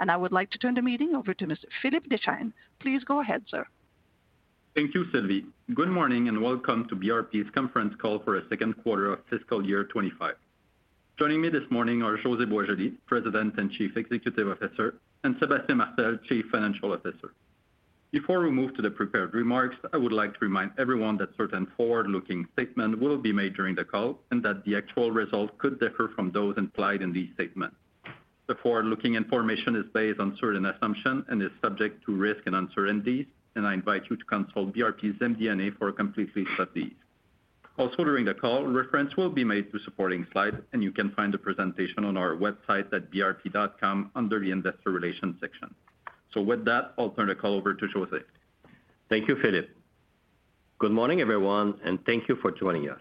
And I would like to turn the meeting over to Mr. Philippe Deschamps. Please go ahead, sir. Thank you, Sylvie. Good morning, and welcome to BRP's conference call for our second quarter of fiscal year twenty-five. Joining me this morning are José Boisjoli, President and Chief Executive Officer, and Sébastien Martel, Chief Financial Officer. Before we move to the prepared remarks, I would like to remind everyone that certain forward-looking statements will be made during the call, and that the actual results could differ from those implied in these statements. The forward-looking information is based on certain assumptions and is subject to risk and uncertainties, and I invite you to consult BRP's MD&A for a complete list of these. Also, during the call, reference will be made to supporting slides, and you can find the presentation on our website at brp.com under the Investor Relations section, so with that, I'll turn the call over to José. Thank you, Philippe. Good morning, everyone, and thank you for joining us.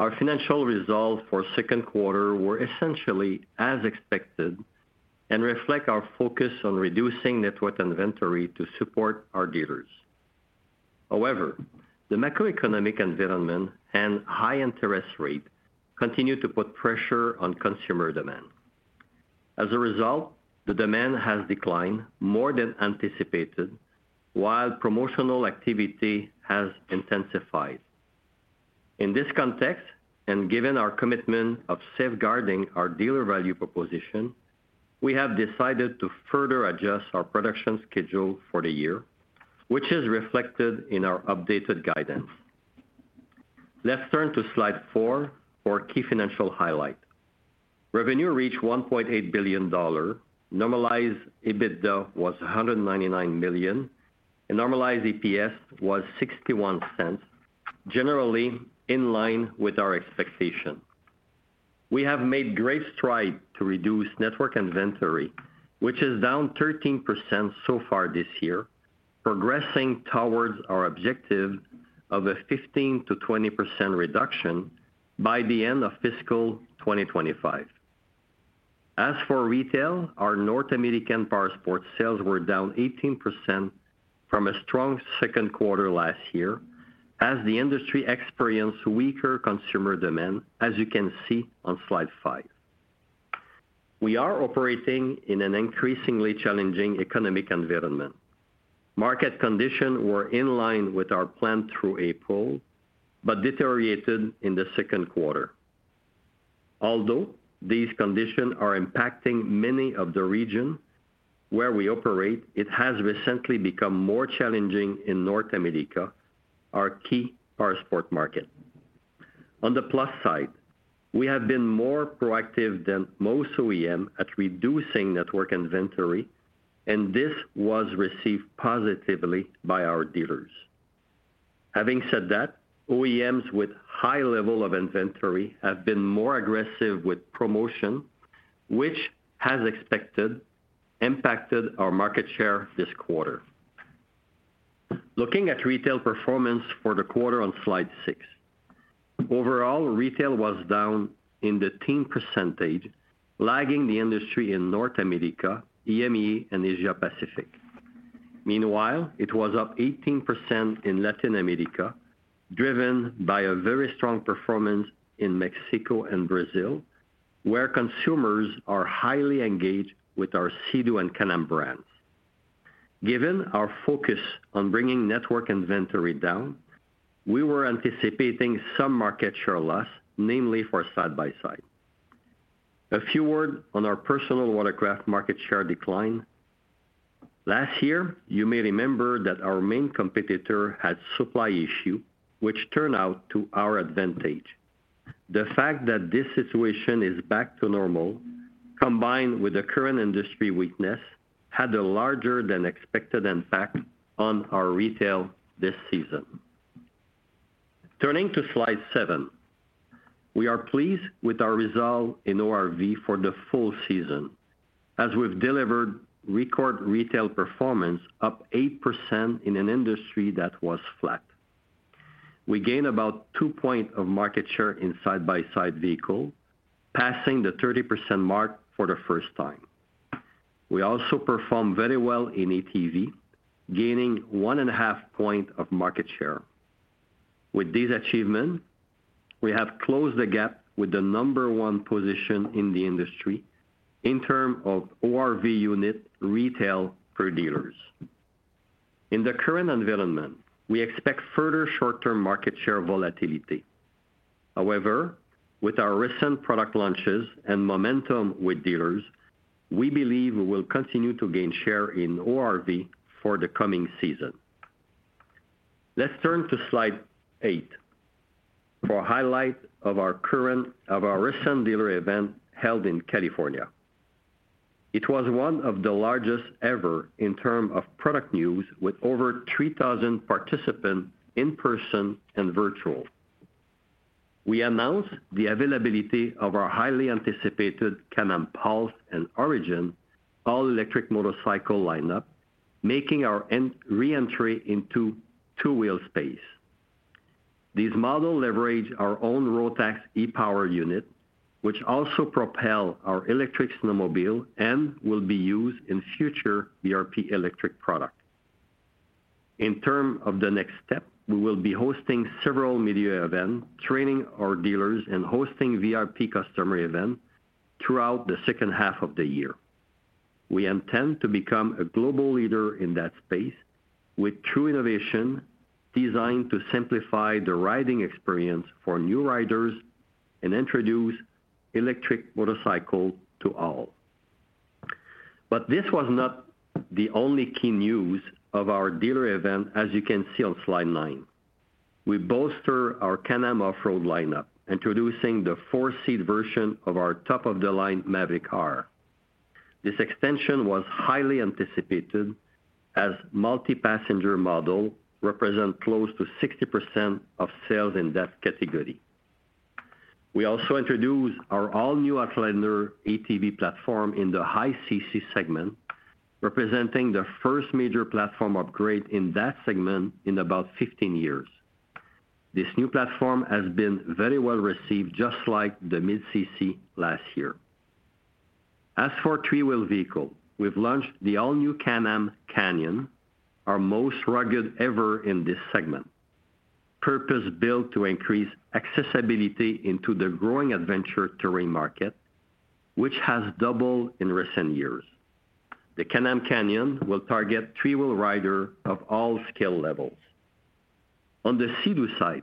Our financial results for second quarter were essentially as expected and reflect our focus on reducing network inventory to support our dealers. However, the macroeconomic environment and high interest rate continue to put pressure on consumer demand. As a result, the demand has declined more than anticipated, while promotional activity has intensified. In this context, and given our commitment of safeguarding our dealer value proposition, we have decided to further adjust our production schedule for the year, which is reflected in our updated guidance. Let's turn to slide 4 for key financial highlight. Revenue reached 1.8 billion dollar, normalized EBITDA was 199 million, and normalized EPS was 0.61, generally in line with our expectation. We have made great strides to reduce network inventory, which is down 13% so far this year, progressing towards our objective of a 15%-20% reduction by the end of fiscal 2025. As for retail, our North American Powersports sales were down 18% from a strong second quarter last year, as the industry experienced weaker consumer demand, as you can see on slide 5. We are operating in an increasingly challenging economic environment. Market conditions were in line with our plan through April, but deteriorated in the second quarter. Although these conditions are impacting many of the regions where we operate, it has recently become more challenging in North America, our key Powersports market. On the plus side, we have been more proactive than most OEM at reducing network inventory, and this was received positively by our dealers. Having said that, OEMs with high level of inventory have been more aggressive with promotion, which, as expected, impacted our market share this quarter. Looking at retail performance for the quarter on slide six. Overall, retail was down in the teen percentage, lagging the industry in North America, EMEA, and Asia Pacific. Meanwhile, it was up 18% in Latin America, driven by a very strong performance in Mexico and Brazil, where consumers are highly engaged with our Sea-Doo and Can-Am brands. Given our focus on bringing network inventory down, we were anticipating some market share loss, namely for side-by-side. A few words on our personal watercraft market share decline. Last year, you may remember that our main competitor had supply issue, which turned out to our advantage. The fact that this situation is back to normal, combined with the current industry weakness, had a larger than expected impact on our retail this season. Turning to slide seven. We are pleased with our result in ORV for the full season, as we've delivered record retail performance, up 8% in an industry that was flat. We gained about two points of market share in side-by-side vehicles, passing the 30% mark for the first time. We also performed very well in ATV, gaining one and a half points of market share. With these achievements, we have closed the gap with the number one position in the industry in terms of ORV unit retail per dealers. In the current environment, we expect further short-term market share volatility. However, with our recent product launches and momentum with dealers, we believe we will continue to gain share in ORV for the coming season. Let's turn to slide eight for a highlight of our recent dealer event held in California. It was one of the largest ever in terms of product news, with over three thousand participants in person and virtual. We announced the availability of our highly anticipated Can-Am Pulse and Origin all-electric motorcycle lineup, making our reentry into two-wheel space. These models leverage our own Rotax EPOWER unit, which also propel our electric snowmobile and will be used in future BRP electric product. In terms of the next step, we will be hosting several media event, training our dealers, and hosting VIP customer event throughout the second half of the year. We intend to become a global leader in that space, with true innovation designed to simplify the riding experience for new riders and introduce electric motorcycle to all. But this was not the only key news of our dealer event as you can see on slide nine. We bolster our Can-Am off-road lineup, introducing the four-seat version of our top-of-the-line Maverick R. This extension was highly anticipated, as multi-passenger model represent close to 60% of sales in that category. We also introduced our all-new Outlander ATV platform in the high CC segment, representing the first major platform upgrade in that segment in about fifteen years. This new platform has been very well received, just like the mid-CC last year. As for three-wheel vehicle, we've launched the all-new Can-Am Canyon, our most rugged ever in this segment, purpose-built to increase accessibility into the growing adventure terrain market, which has doubled in recent years. The Can-Am Canyon will target three-wheel riders of all skill levels. On the Sea-Doo side,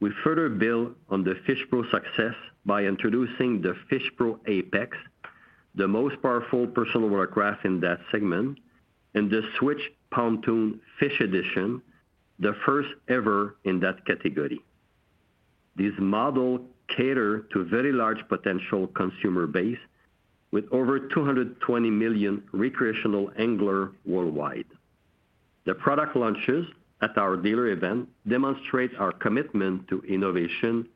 we further build on the FishPro success by introducing the FishhPro Apex, the most powerful personal watercraft in that segment, and the Switch Pontoon Fish Edition, the first ever in that category. These models cater to a very large potential consumer base, with over 220 million recreational anglers worldwide. The product launches at our dealer event demonstrate our commitment to innovation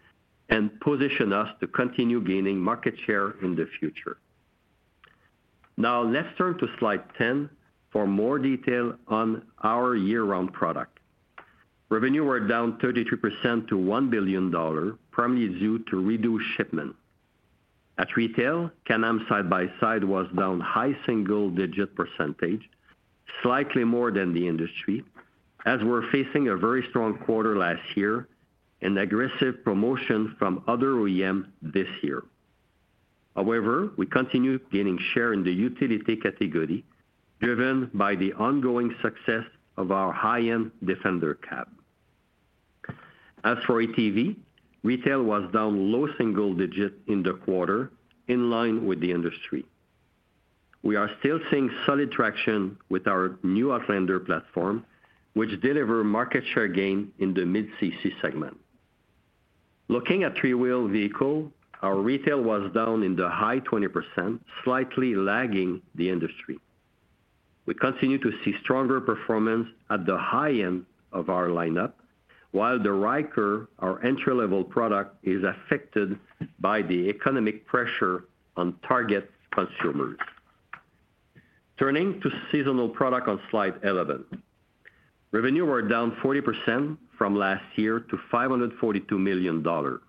and position us to continue gaining market share in the future. Now, let's turn to slide 10 for more detail on our year-round product. Revenue was down 32% to 1 billion dollar, primarily due to reduced shipments. At retail, Can-Am Side-by-Side was down high single-digit %, slightly more than the industry, as we're facing a very strong quarter last year and aggressive promotion from other OEMs this year. However, we continue gaining share in the utility category, driven by the ongoing success of our high-end Defender Cab. As for ATV, retail was down low single-digit % in the quarter, in line with the industry. We are still seeing solid traction with our new Outlander platform, which delivers market share gain in the mid-cc segment. Looking at three-wheel vehicle, our retail was down in the high 20%, slightly lagging the industry. We continue to see stronger performance at the high end of our lineup, while the Ryker, our entry-level product, is affected by the economic pressure on target consumers. Turning to seasonal product on slide 11. Revenue were down 40% from last year to 542 million dollar.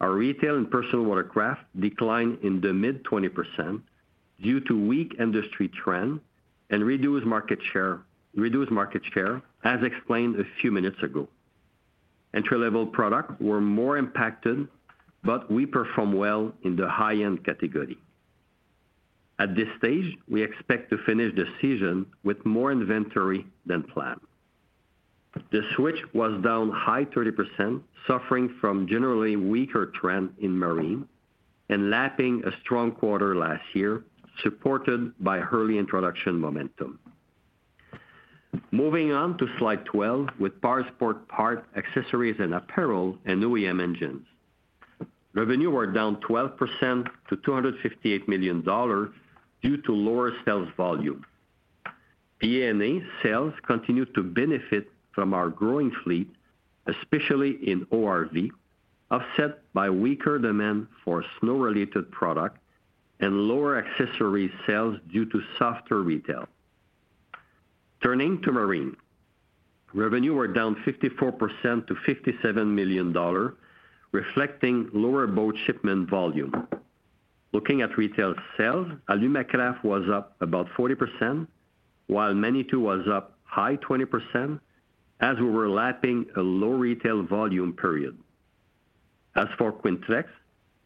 Our retail and personal watercraft declined in the mid-20% due to weak industry trend and reduced market share, reduced market share, as explained a few minutes ago. Entry-level product were more impacted, but we perform well in the high-end category. At this stage, we expect to finish the season with more inventory than planned. The Switch was down high 30%, suffering from generally weaker trend in marine and lapping a strong quarter last year, supported by early introduction momentum. Moving on to slide 12, with Powersports parts, accessories, and apparel, and OEM engines. Revenue were down 12% to 258 million dollars due to lower sales volume. PNA sales continued to benefit from our growing fleet, especially in ORV, offset by weaker demand for snow-related product and lower accessory sales due to softer retail. Turning to marine. Revenue were down 54% to 57 million dollar, reflecting lower boat shipment volume. Looking at retail sales, Alumacraft was up about 40%, while Manitou was up high 20%, as we were lapping a low retail volume period. As for Quintrex,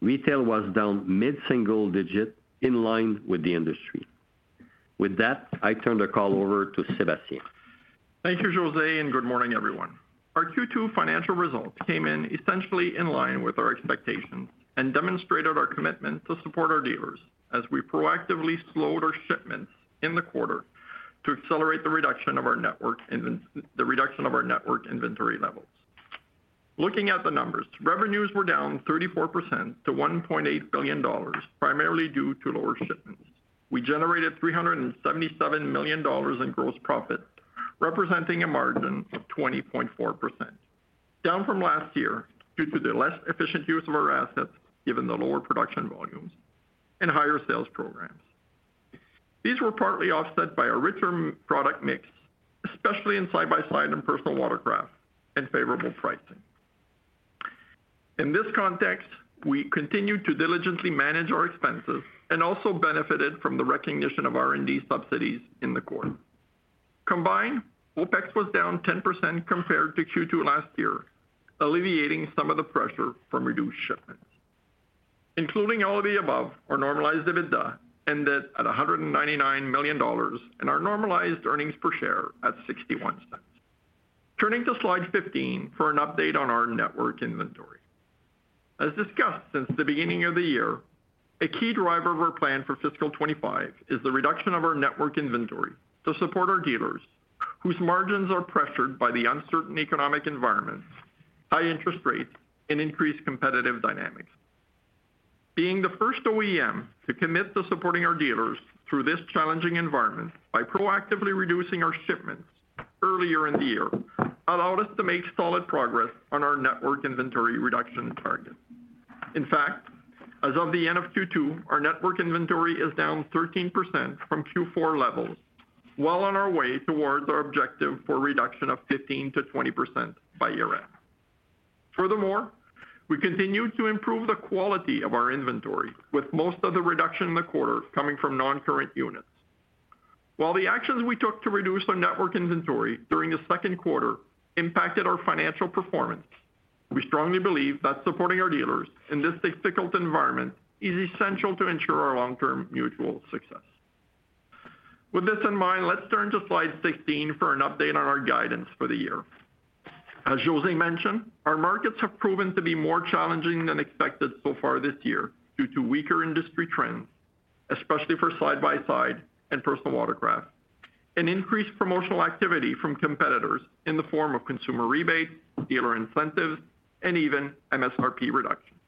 retail was down mid-single digit, in line with the industry. With that, I turn the call over to Sébastien. Thank you, José, and good morning, everyone. Our Q2 financial results came in essentially in line with our expectations and demonstrated our commitment to support our dealers as we proactively slowed our shipments in the quarter to accelerate the reduction of our network inventory levels. Looking at the numbers, revenues were down 34% to 1.8 billion dollars, primarily due to lower shipments. We generated 377 million dollars in gross profit, representing a margin of 20.4%, down from last year due to the less efficient use of our assets, given the lower production volumes and higher sales programs. These were partly offset by a richer product mix, especially in side-by-side and personal watercraft, and favorable pricing. In this context, we continued to diligently manage our expenses and also benefited from the recognition of R&D subsidies in the quarter. Combined, OpEx was down 10% compared to Q2 last year, alleviating some of the pressure from reduced shipments. Including all of the above, our normalized EBITDA ended at 199 million dollars, and our normalized earnings per share at 0.61. Turning to slide 15 for an update on our network inventory. As discussed since the beginning of the year, a key driver of our plan for fiscal 2025 is the reduction of our network inventory to support our dealers, whose margins are pressured by the uncertain economic environments, high interest rates, and increased competitive dynamics. Being the first OEM to commit to supporting our dealers through this challenging environment by proactively reducing our shipments earlier in the year, allowed us to make solid progress on our network inventory reduction target. In fact, as of the end of Q2, our network inventory is down 13% from Q4 levels, well on our way towards our objective for a reduction of 15%-20% by year-end. Furthermore, we continued to improve the quality of our inventory, with most of the reduction in the quarter coming from noncurrent units. While the actions we took to reduce our network inventory during the second quarter impacted our financial performance, we strongly believe that supporting our dealers in this difficult environment is essential to ensure our long-term mutual success. With this in mind, let's turn to slide 16 for an update on our guidance for the year. As José mentioned, our markets have proven to be more challenging than expected so far this year due to weaker industry trends, especially for side-by-side and personal watercraft, and increased promotional activity from competitors in the form of consumer rebates, dealer incentives, and even MSRP reductions.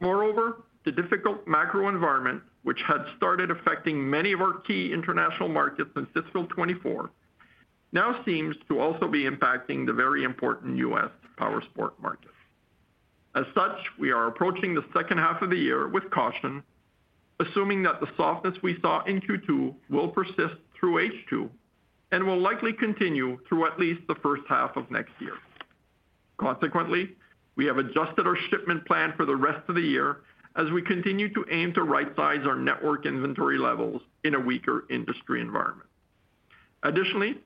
Moreover, the difficult macro environment, which had started affecting many of our key international markets in fiscal 2024, now seems to also be impacting the very important U.S. powersports market. As such, we are approaching the second half of the year with caution, assuming that the softness we saw in Q2 will persist through H2, and will likely continue through at least the first half of next year. Consequently, we have adjusted our shipment plan for the rest of the year as we continue to aim to rightsize our network inventory levels in a weaker industry environment. Additionally,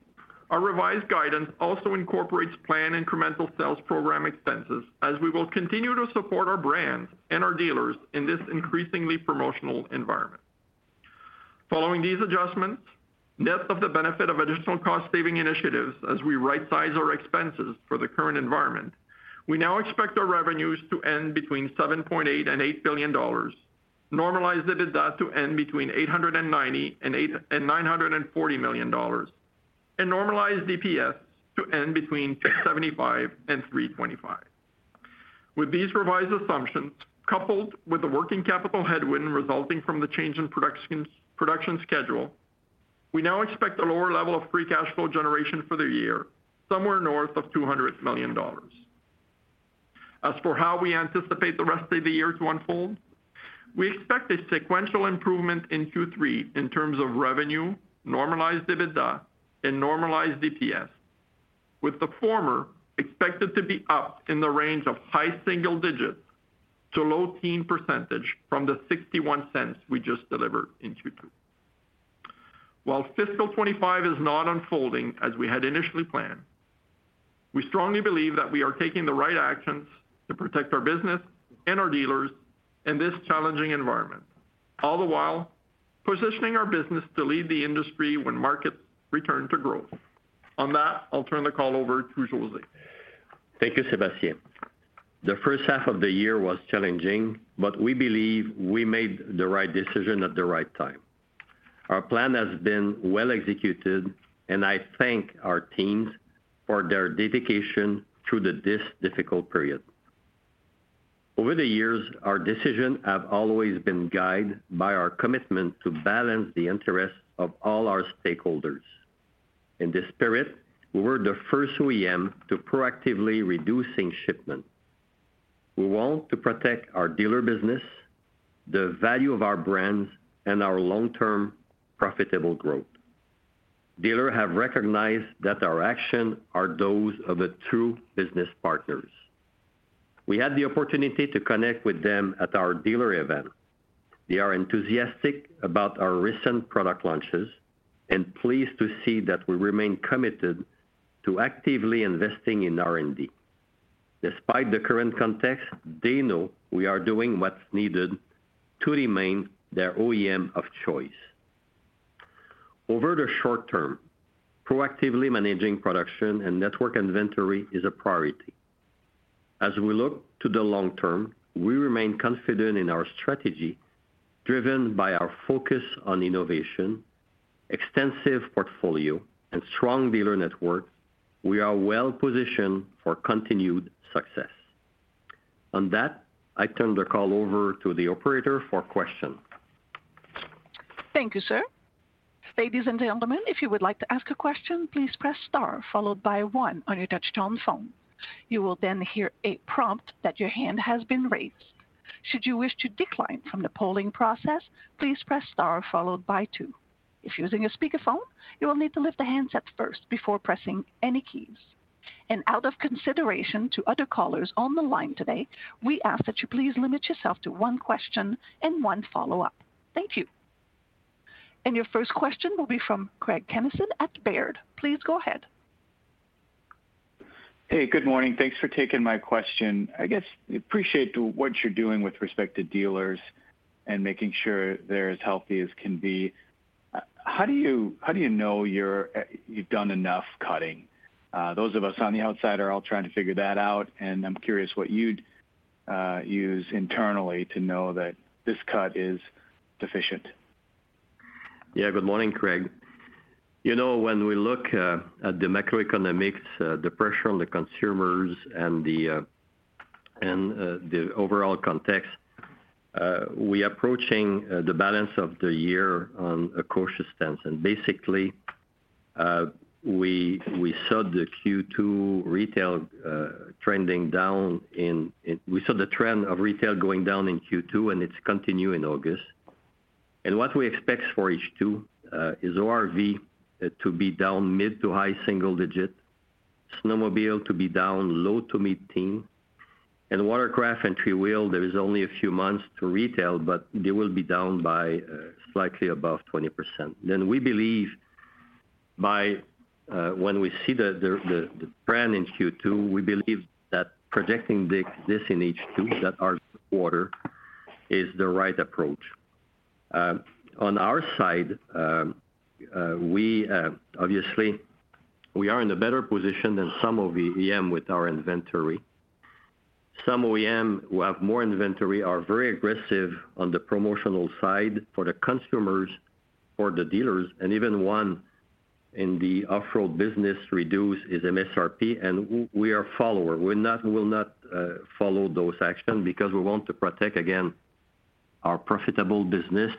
our revised guidance also incorporates planned incremental sales program expenses, as we will continue to support our brands and our dealers in this increasingly promotional environment. Following these adjustments, net of the benefit of additional cost-saving initiatives as we rightsize our expenses for the current environment, we now expect our revenues to end between 7.8 billion and 8 billion dollars, normalized EBITDA to end between 890 million and 940 million dollars, and normalized DPS to end between 0.75 and 3.25. With these revised assumptions, coupled with the working capital headwind resulting from the change in production schedule, we now expect a lower level of free cash flow generation for the year, somewhere north of 200 million dollars. As for how we anticipate the rest of the year to unfold, we expect a sequential improvement in Q3 in terms of revenue, normalized EBITDA, and normalized DPS, with the former expected to be up in the range of high single digits to low teens % from 0.61 we just delivered in Q2. While fiscal 2025 is not unfolding as we had initially planned, we strongly believe that we are taking the right actions to protect our business and our dealers in this challenging environment, all the while positioning our business to lead the industry when markets return to growth. On that, I'll turn the call over to José. Thank you, Sébastien. The first half of the year was challenging, but we believe we made the right decision at the right time. Our plan has been well executed, and I thank our teams for their dedication through the difficult period. Over the years, our decisions have always been guided by our commitment to balance the interests of all our stakeholders. In this spirit, we were the first OEM to proactively reducing shipment. We want to protect our dealer business, the value of our brands, and our long-term profitable growth. Dealers have recognized that our action are those of a true business partners. We had the opportunity to connect with them at our dealer event. They are enthusiastic about our recent product launches and pleased to see that we remain committed to actively investing in R&D. Despite the current context, they know we are doing what's needed to remain their OEM of choice. Over the short term, proactively managing production and network inventory is a priority. As we look to the long term, we remain confident in our strategy, driven by our focus on innovation, extensive portfolio, and strong dealer network. We are well positioned for continued success. On that, I turn the call over to the operator for question. Thank you, sir. Ladies and gentlemen, if you would like to ask a question, please press star followed by one on your touchtone phone. You will then hear a prompt that your hand has been raised. Should you wish to decline from the polling process, please press star followed by two. If using a speakerphone, you will need to lift the handset first before pressing any keys. And out of consideration to other callers on the line today, we ask that you please limit yourself to one question and one follow-up. Thank you. And your first question will be from Craig Kennison at Baird. Please go ahead. Hey, good morning. Thanks for taking my question. I guess, we appreciate what you're doing with respect to dealers and making sure they're as healthy as can be. How do you know you've done enough cutting? Those of us on the outside are all trying to figure that out, and I'm curious what you'd use internally to know that this cut is sufficient. Yeah, good morning, Craig. You know, when we look at the macroeconomic pressure on the consumers and the overall context, we approaching the balance of the year on a cautious stance. And basically, we saw the Q2 retail trending down. We saw the trend of retail going down in Q2, and it's continue in August. And what we expect for H2 is ORV to be down mid- to high-single-digit, snowmobile to be down low- to mid-teen, and watercraft and three-wheel, there is only a few months to retail, but they will be down by slightly above 20%. Then we believe by when we see the trend in Q2, we believe that projecting this in H2, that our quarter is the right approach. On our side, we obviously are in a better position than some OEM with our inventory. Some OEM who have more inventory are very aggressive on the promotional side for the consumers or the dealers, and even one in the off-road business reduce its MSRP, and we are follower. We're not, we will not, follow those action because we want to protect, again, our profitable business,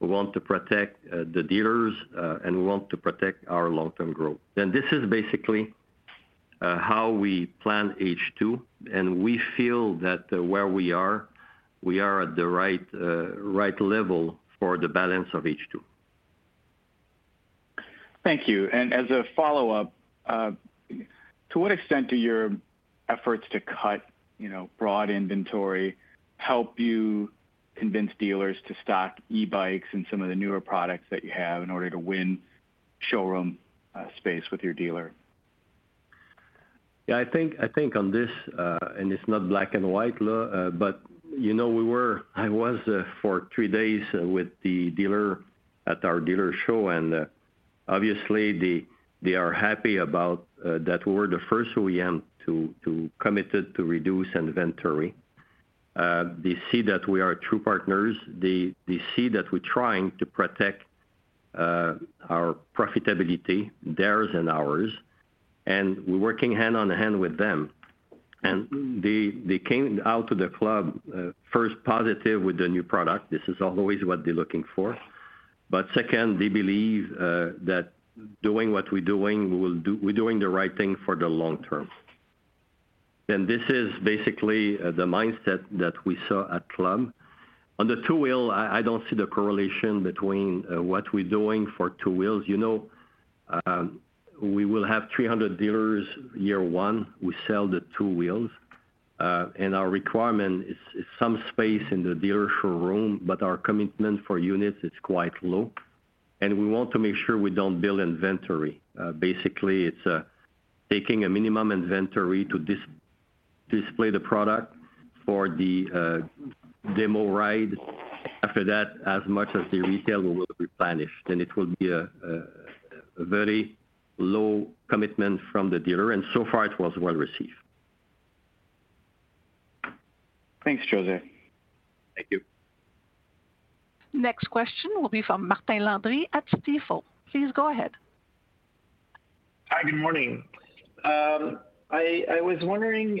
we want to protect, the dealers, and we want to protect our long-term growth. And this is basically, how we plan H2, and we feel that where we are, we are at the right, right level for the balance of H2. Thank you. And as a follow-up, to what extent do your efforts to cut, you know, broad inventory, help you convince dealers to stock e-bikes and some of the newer products that you have in order to win showroom space with your dealer? Yeah, I think, I think on this, and it's not black and white, but, you know, I was for three days with the dealer at our dealer show, and obviously, they are happy about that we're the first OEM to commit to reduce inventory. They see that we are true partners. They see that we're trying to protect our profitability, theirs and ours, and we're working hand in hand with them. And they came out to the club first positive with the new product. This is always what they're looking for. But second, they believe that doing what we're doing, we're doing the right thing for the long term. And this is basically the mindset that we saw at club. On the two-wheel, I don't see the correlation between what we're doing for two wheels. You know, we will have 300 dealers year one, we sell the two wheels, and our requirement is some space in the dealership room, but our commitment for units is quite low, and we want to make sure we don't build inventory. Basically, it's taking a minimum inventory to display the product for the demo ride. After that, as much as the retail will replenish, then it will be a very low commitment from the dealer, and so far it was well received. Thanks, José. Thank you. Next question will be from Martin Landry at Stifel. Please go ahead. Hi, good morning. I was wondering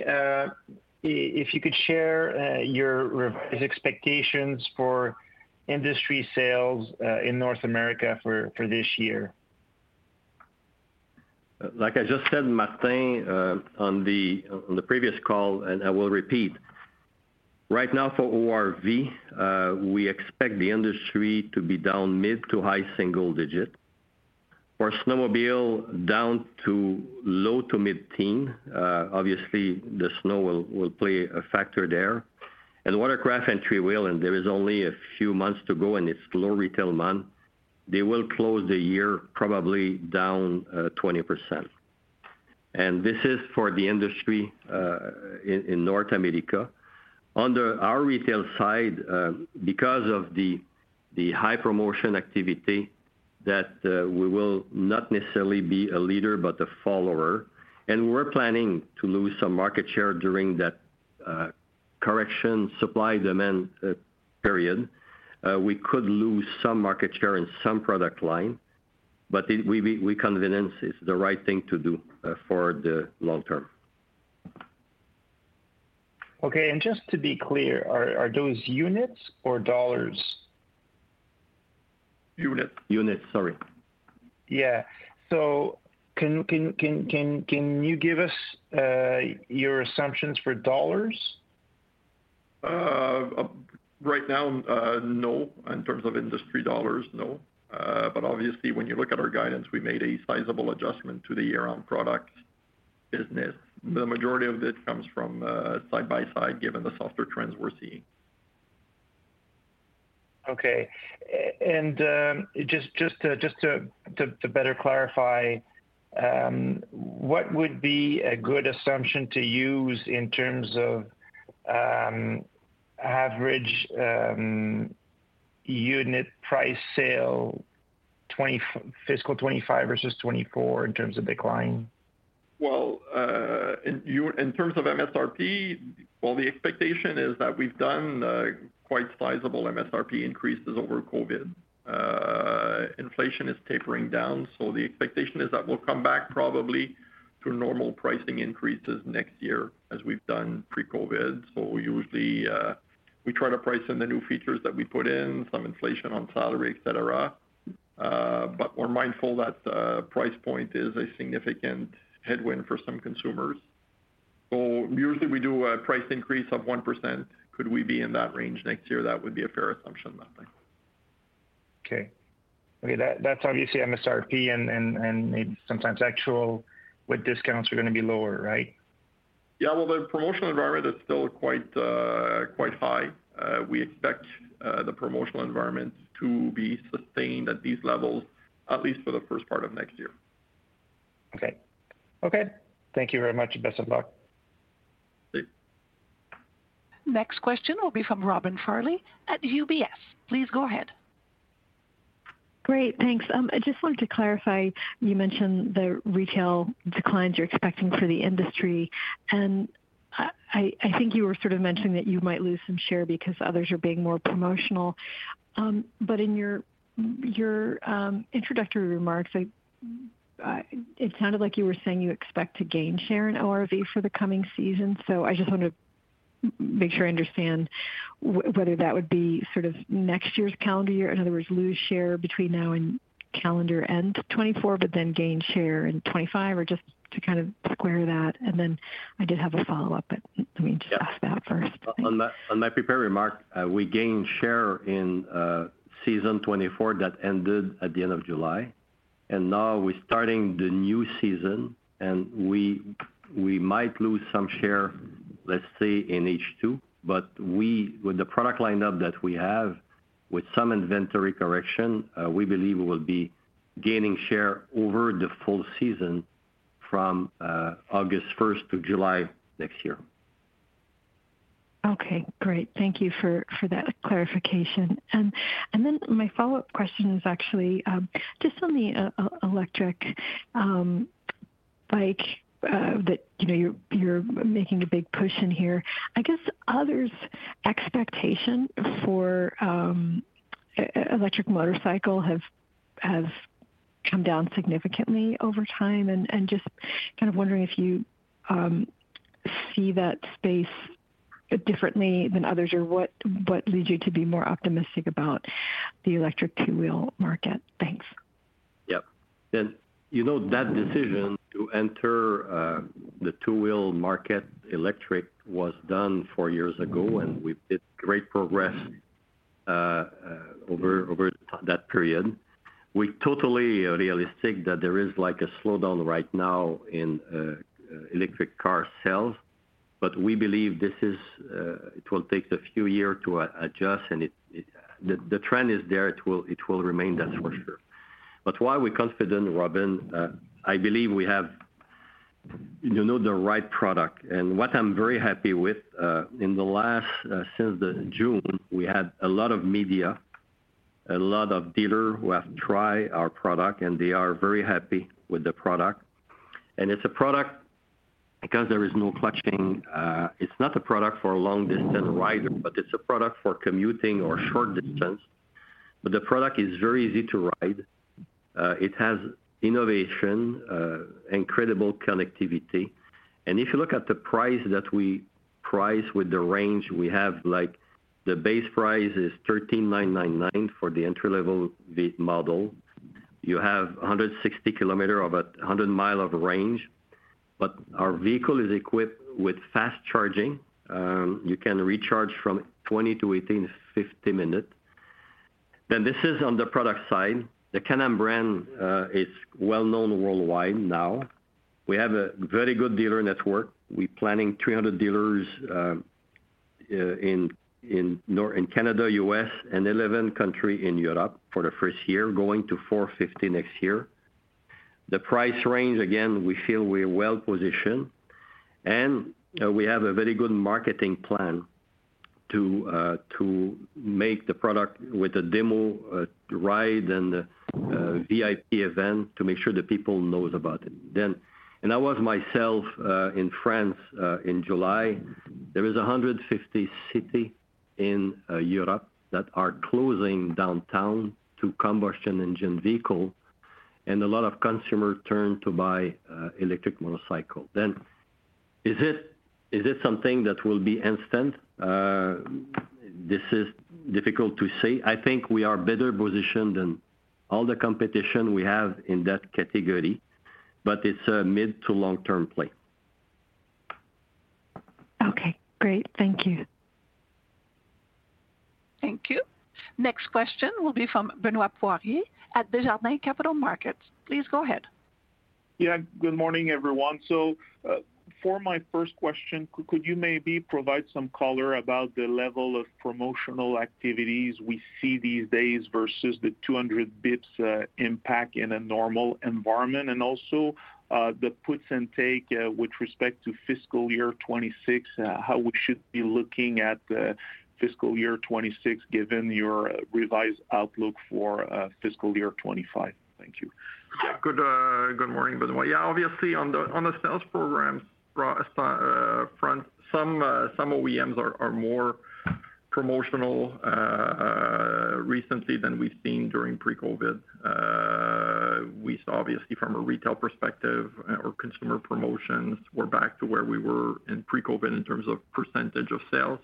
if you could share your revised expectations for industry sales in North America for this year. Like I just said, Martin, on the previous call, and I will repeat. Right now for ORV, we expect the industry to be down mid- to high-single-digit %. For snowmobile, down low- to mid-teens %. Obviously, the snow will play a factor there. And watercraft and three-wheel, and there is only a few months to go, and it's slow retail month, they will close the year probably down 20%. And this is for the industry in North America. Under our retail side, because of the high promotion activity, that we will not necessarily be a leader but a follower, and we're planning to lose some market share during that correction, supply-demand period. We could lose some market share in some product line, but we convinced it's the right thing to do, for the long term. Okay, and just to be clear, are those units or dollars? ... unit. Units, sorry. Yeah. So, can you give us your assumptions for dollars? Right now, no. In terms of industry dollars, no. But obviously when you look at our guidance, we made a sizable adjustment to the year-round product business. The majority of it comes from side-by-side, given the softer trends we're seeing. Okay. And just to better clarify, what would be a good assumption to use in terms of average unit price sale fiscal 2025 versus 2024 in terms of decline? In terms of MSRP, the expectation is that we've done quite sizable MSRP increases over COVID. Inflation is tapering down, so the expectation is that we'll come back probably to normal pricing increases next year, as we've done pre-COVID. Usually, we try to price in the new features that we put in, some inflation on salary, et cetera. But we're mindful that price point is a significant headwind for some consumers. Usually we do a price increase of 1%. Could we be in that range next year? That would be a fair assumption, I think. Okay, that's obviously MSRP and maybe sometimes actual with discounts are going to be lower, right? Yeah, well, the promotional environment is still quite, quite high. We expect the promotional environment to be sustained at these levels, at least for the first part of next year. Okay. Okay, thank you very much, and best of luck. Thank you. Next question will be from Robyn Farley at UBS. Please go ahead. Great, thanks. I just wanted to clarify. You mentioned the retail declines you're expecting for the industry, and I think you were sort of mentioning that you might lose some share because others are being more promotional. But in your introductory remarks, it sounded like you were saying you expect to gain share in ORV for the coming season. So I just want to make sure I understand whether that would be sort of next year's calendar year. In other words, lose share between now and calendar end 2024, but then gain share in 2025, or just to kind of square that. And then I did have a follow-up, but let me just ask that first. On my prepared remark, we gained share in season 2024 that ended at the end of July, and now we're starting the new season, and we might lose some share, let's say, in H2. But with the product lineup that we have, with some inventory correction, we believe we will be gaining share over the full season from August first to July next year. Okay, great. Thank you for that clarification. And then my follow-up question is actually just on the electric bike that, you know, you're making a big push in here. I guess others' expectation for electric motorcycle has come down significantly over time, and just kind of wondering if you see that space differently than others, or what leads you to be more optimistic about the electric two-wheel market? Thanks. Yep. And you know, that decision to enter the two-wheel market, electric, was done four years ago, and we've made great progress over that period. We're totally realistic that there is, like, a slowdown right now in electric car sales, but we believe this is it will take a few year to adjust, and it, the trend is there. It will remain, that's for sure. But why we're confident, Robyn, I believe we have, you know, the right product. And what I'm very happy with in the last since June, we had a lot of media, a lot of dealer who have tried our product, and they are very happy with the product. It's a product, because there is no clutching. It's not a product for a long-distance rider, but it's a product for commuting or short distance. The product is very easy to ride. It has innovation, incredible connectivity. If you look at the price that we price with the range, we have, like, the base price is 13,999 for the entry-level EV model. You have 160 km, about 100 mi of range, but our vehicle is equipped with fast charging. You can recharge from 20 to 80 in 50 minutes. This is on the product side. The Can-Am brand is well known worldwide now. We have a very good dealer network. We're planning 300 dealers in Canada, US, and 11 countries in Europe for the first year, going to 450 next year. The price range, again, we feel we're well positioned, and we have a very good marketing plan to make the product with a demo ride and a VIP event to make sure the people knows about it. And I was myself in France in July. There is 150 cities in Europe that are closing downtown to combustion engine vehicle, and a lot of consumers turn to buy electric motorcycle. Is it something that will be instant? This is difficult to say. I think we are better positioned than all the competition we have in that category, but it's a mid to long-term play. Okay, great. Thank you. Thank you. Next question will be from Benoit Poirier at Desjardins Capital Markets. Please go ahead. Yeah, good morning, everyone. For my first question, could you maybe provide some color about the level of promotional activities we see these days versus the 200 basis points impact in a normal environment? Also, the puts and takes with respect to fiscal year 2026, how we should be looking at fiscal year 2026, given your revised outlook for fiscal year 2025? Thank you. Yeah. Good morning, Benoit. Yeah, obviously, on the sales programs front, some OEMs are more promotional recently than we've seen during pre-COVID. We saw, obviously, from a retail perspective or consumer promotions, we're back to where we were in pre-COVID in terms of percentage of sales.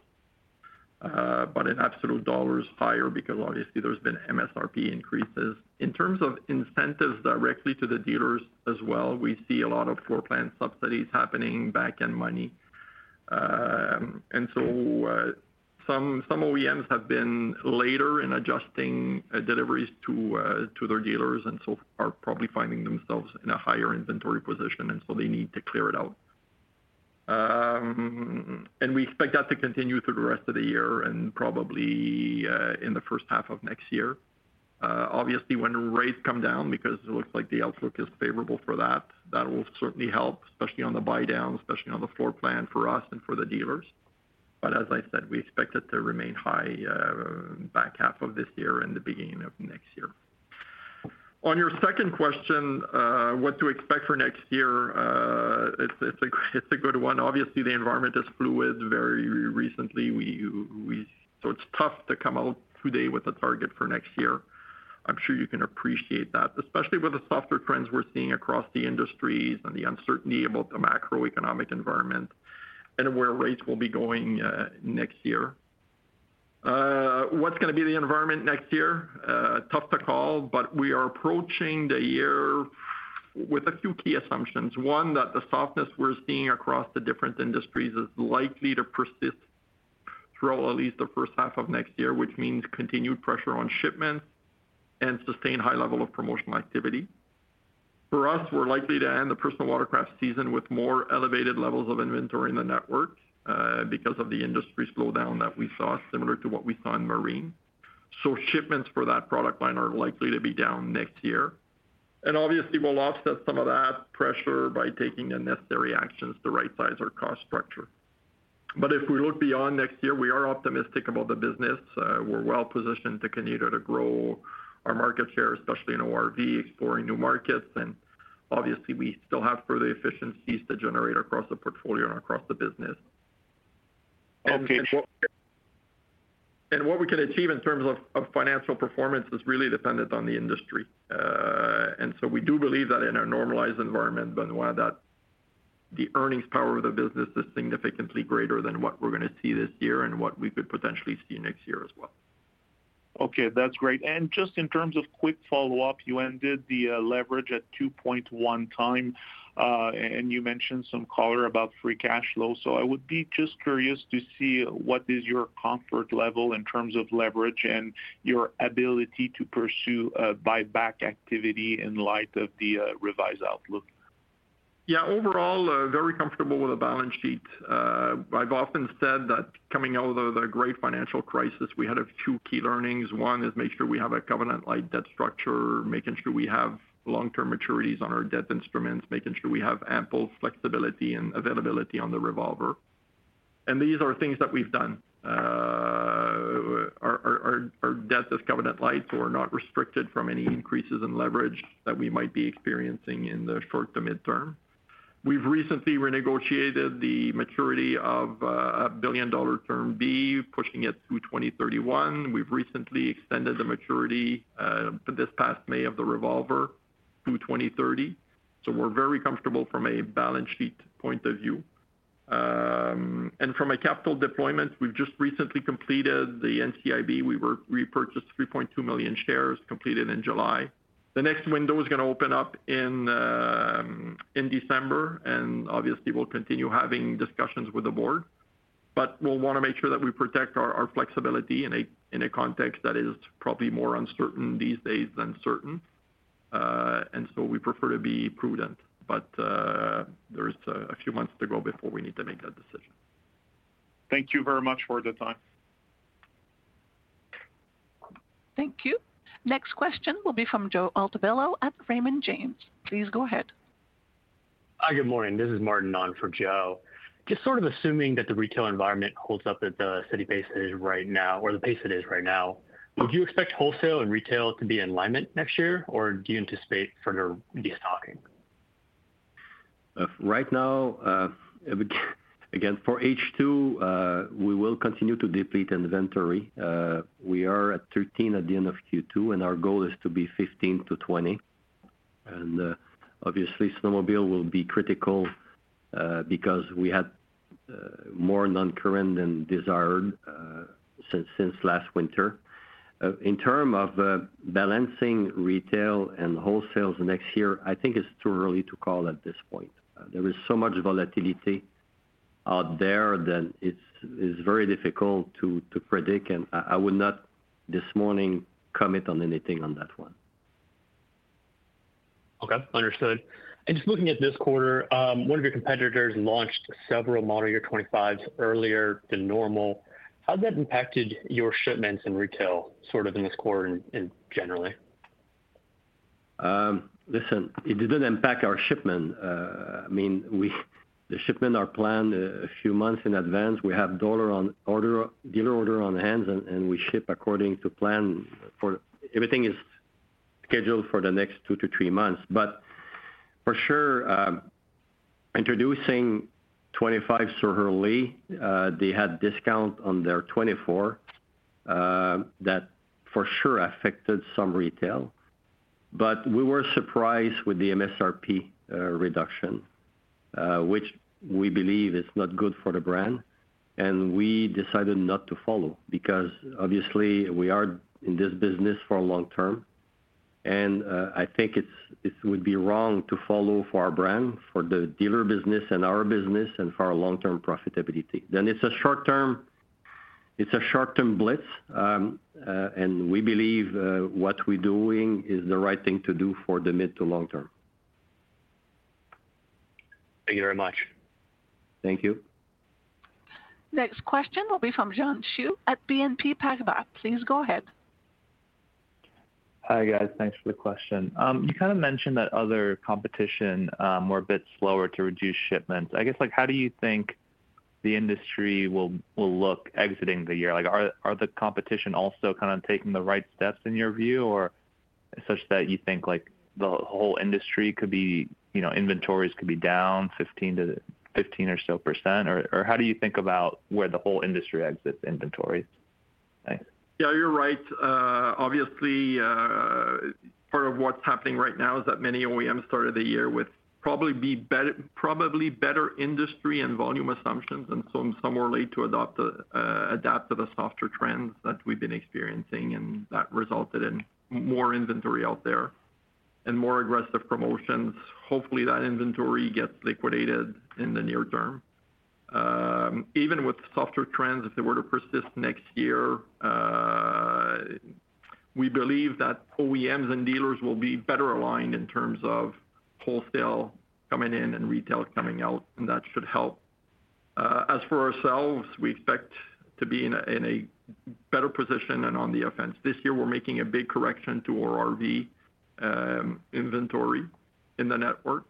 But in absolute dollars, higher, because obviously there's been MSRP increases. In terms of incentives directly to the dealers as well, we see a lot of floor plan subsidies happening, back-end money. And so, some OEMs have been later in adjusting deliveries to their dealers, and so are probably finding themselves in a higher inventory position, and so they need to clear it out. And we expect that to continue through the rest of the year and probably in the first half of next year. Obviously, when rates come down, because it looks like the outlook is favorable for that, that will certainly help, especially on the buy down, especially on the floor plan for us and for the dealers. But as I said, we expect it to remain high, back half of this year and the beginning of next year. On your second question, what to expect for next year, it's a good one. Obviously, the environment is fluid very recently. So it's tough to come out today with a target for next year. I'm sure you can appreciate that, especially with the softer trends we're seeing across the industries and the uncertainty about the macroeconomic environment and where rates will be going, next year. What's gonna be the environment next year? Tough to call, but we are approaching the year with a few key assumptions. One, that the softness we're seeing across the different industries is likely to persist through at least the first half of next year, which means continued pressure on shipments and sustained high level of promotional activity. For us, we're likely to end the personal watercraft season with more elevated levels of inventory in the network, because of the industry slowdown that we saw, similar to what we saw in marine. So shipments for that product line are likely to be down next year. Obviously, we'll offset some of that pressure by taking the necessary actions to rightsize our cost structure. If we look beyond next year, we are optimistic about the business. We're well positioned to continue to grow our market share, especially in ORV, exploring new markets, and obviously, we still have further efficiencies to generate across the portfolio and across the business. Okay, what- And what we can achieve in terms of financial performance is really dependent on the industry. And so we do believe that in a normalized environment, Benoit, that the earnings power of the business is significantly greater than what we're gonna see this year and what we could potentially see next year as well. Okay, that's great. And just in terms of quick follow-up, you ended the leverage at two point one times, and you mentioned some color about free cash flow. So I would be just curious to see what is your comfort level in terms of leverage and your ability to pursue buyback activity in light of the revised outlook? Yeah, overall, very comfortable with the balance sheet. I've often said that coming out of the great financial crisis, we had a few key learnings. One is make sure we have a covenant-light debt structure, making sure we have long-term maturities on our debt instruments, making sure we have ample flexibility and availability on the revolver. And these are things that we've done. Our debt is covenant light, so we're not restricted from any increases in leverage that we might be experiencing in the short to midterm. We've recently renegotiated the maturity of a $1 billion term B, pushing it to 2031. We've recently extended the maturity this past May of the revolver to 2030. So we're very comfortable from a balance sheet point of view. And from a capital deployment, we've just recently completed the NCIB. We repurchased 3.2 million shares, completed in July. The next window is gonna open up in December, and obviously, we'll continue having discussions with the board. But we'll wanna make sure that we protect our flexibility in a context that is probably more uncertain these days than certain. And so we prefer to be prudent, but there is a few months to go before we need to make that decision. Thank you very much for the time. Thank you. Next question will be from Joe Altobello at Raymond James. Please go ahead. Hi, good morning. This is Martin on for Joe. Just sort of assuming that the retail environment holds up at the steady pace it is right now, or the pace it is right now, would you expect wholesale and retail to be in alignment next year, or do you anticipate further destocking? Right now, again, for H2, we will continue to deplete inventory. We are at 13 at the end of Q2, and our goal is to be 15-20. And, obviously, snowmobile will be critical, because we had more non-current than desired since last winter. In terms of balancing retail and wholesale the next year, I think it's too early to call at this point. There is so much volatility out there that it's very difficult to predict, and I would not, this morning, comment on anything on that one. Okay, understood. And just looking at this quarter, one of your competitors launched several model year 2025s earlier than normal. How has that impacted your shipments and retail, sort of in this quarter and generally? Listen, it didn't impact our shipment. I mean, we - the shipment are planned a few months in advance. We have dealer orders on hand, and we ship according to plan for... Everything is scheduled for the next two to three months. But for sure, introducing 2025s so early, they had discounts on their 2024, that for sure affected some retail. But we were surprised with the MSRP reduction, which we believe is not good for the brand. And we decided not to follow, because obviously we are in this business for long term, and I think it would be wrong to follow for our brand, for the dealer business and our business, and for our long-term profitability. Then it's a short term, it's a short-term blitz, and we believe what we're doing is the right thing to do for the mid to long term. Thank you very much. Thank you. Next question will be from Xian Siew at BNP Paribas. Please go ahead. Hi, guys. Thanks for the question. You kind of mentioned that other competition were a bit slower to reduce shipments. I guess, like, how do you think the industry will look exiting the year? Like, are the competition also kind of taking the right steps in your view, or such that you think, like, the whole industry could be, you know, inventories could be down 15-15 or so %? Or how do you think about where the whole industry exits inventory? Thanks. Yeah, you're right. Obviously, part of what's happening right now is that many OEMs started the year with probably better industry and volume assumptions, and some were late to adopt, adapt to the softer trends that we've been experiencing, and that resulted in more inventory out there and more aggressive promotions. Hopefully, that inventory gets liquidated in the near term. Even with softer trends, if they were to persist next year, we believe that OEMs and dealers will be better aligned in terms of wholesale coming in and retail coming out, and that should help. As for ourselves, we expect to be in a better position and on the offense. This year, we're making a big correction to our RV inventory in the network,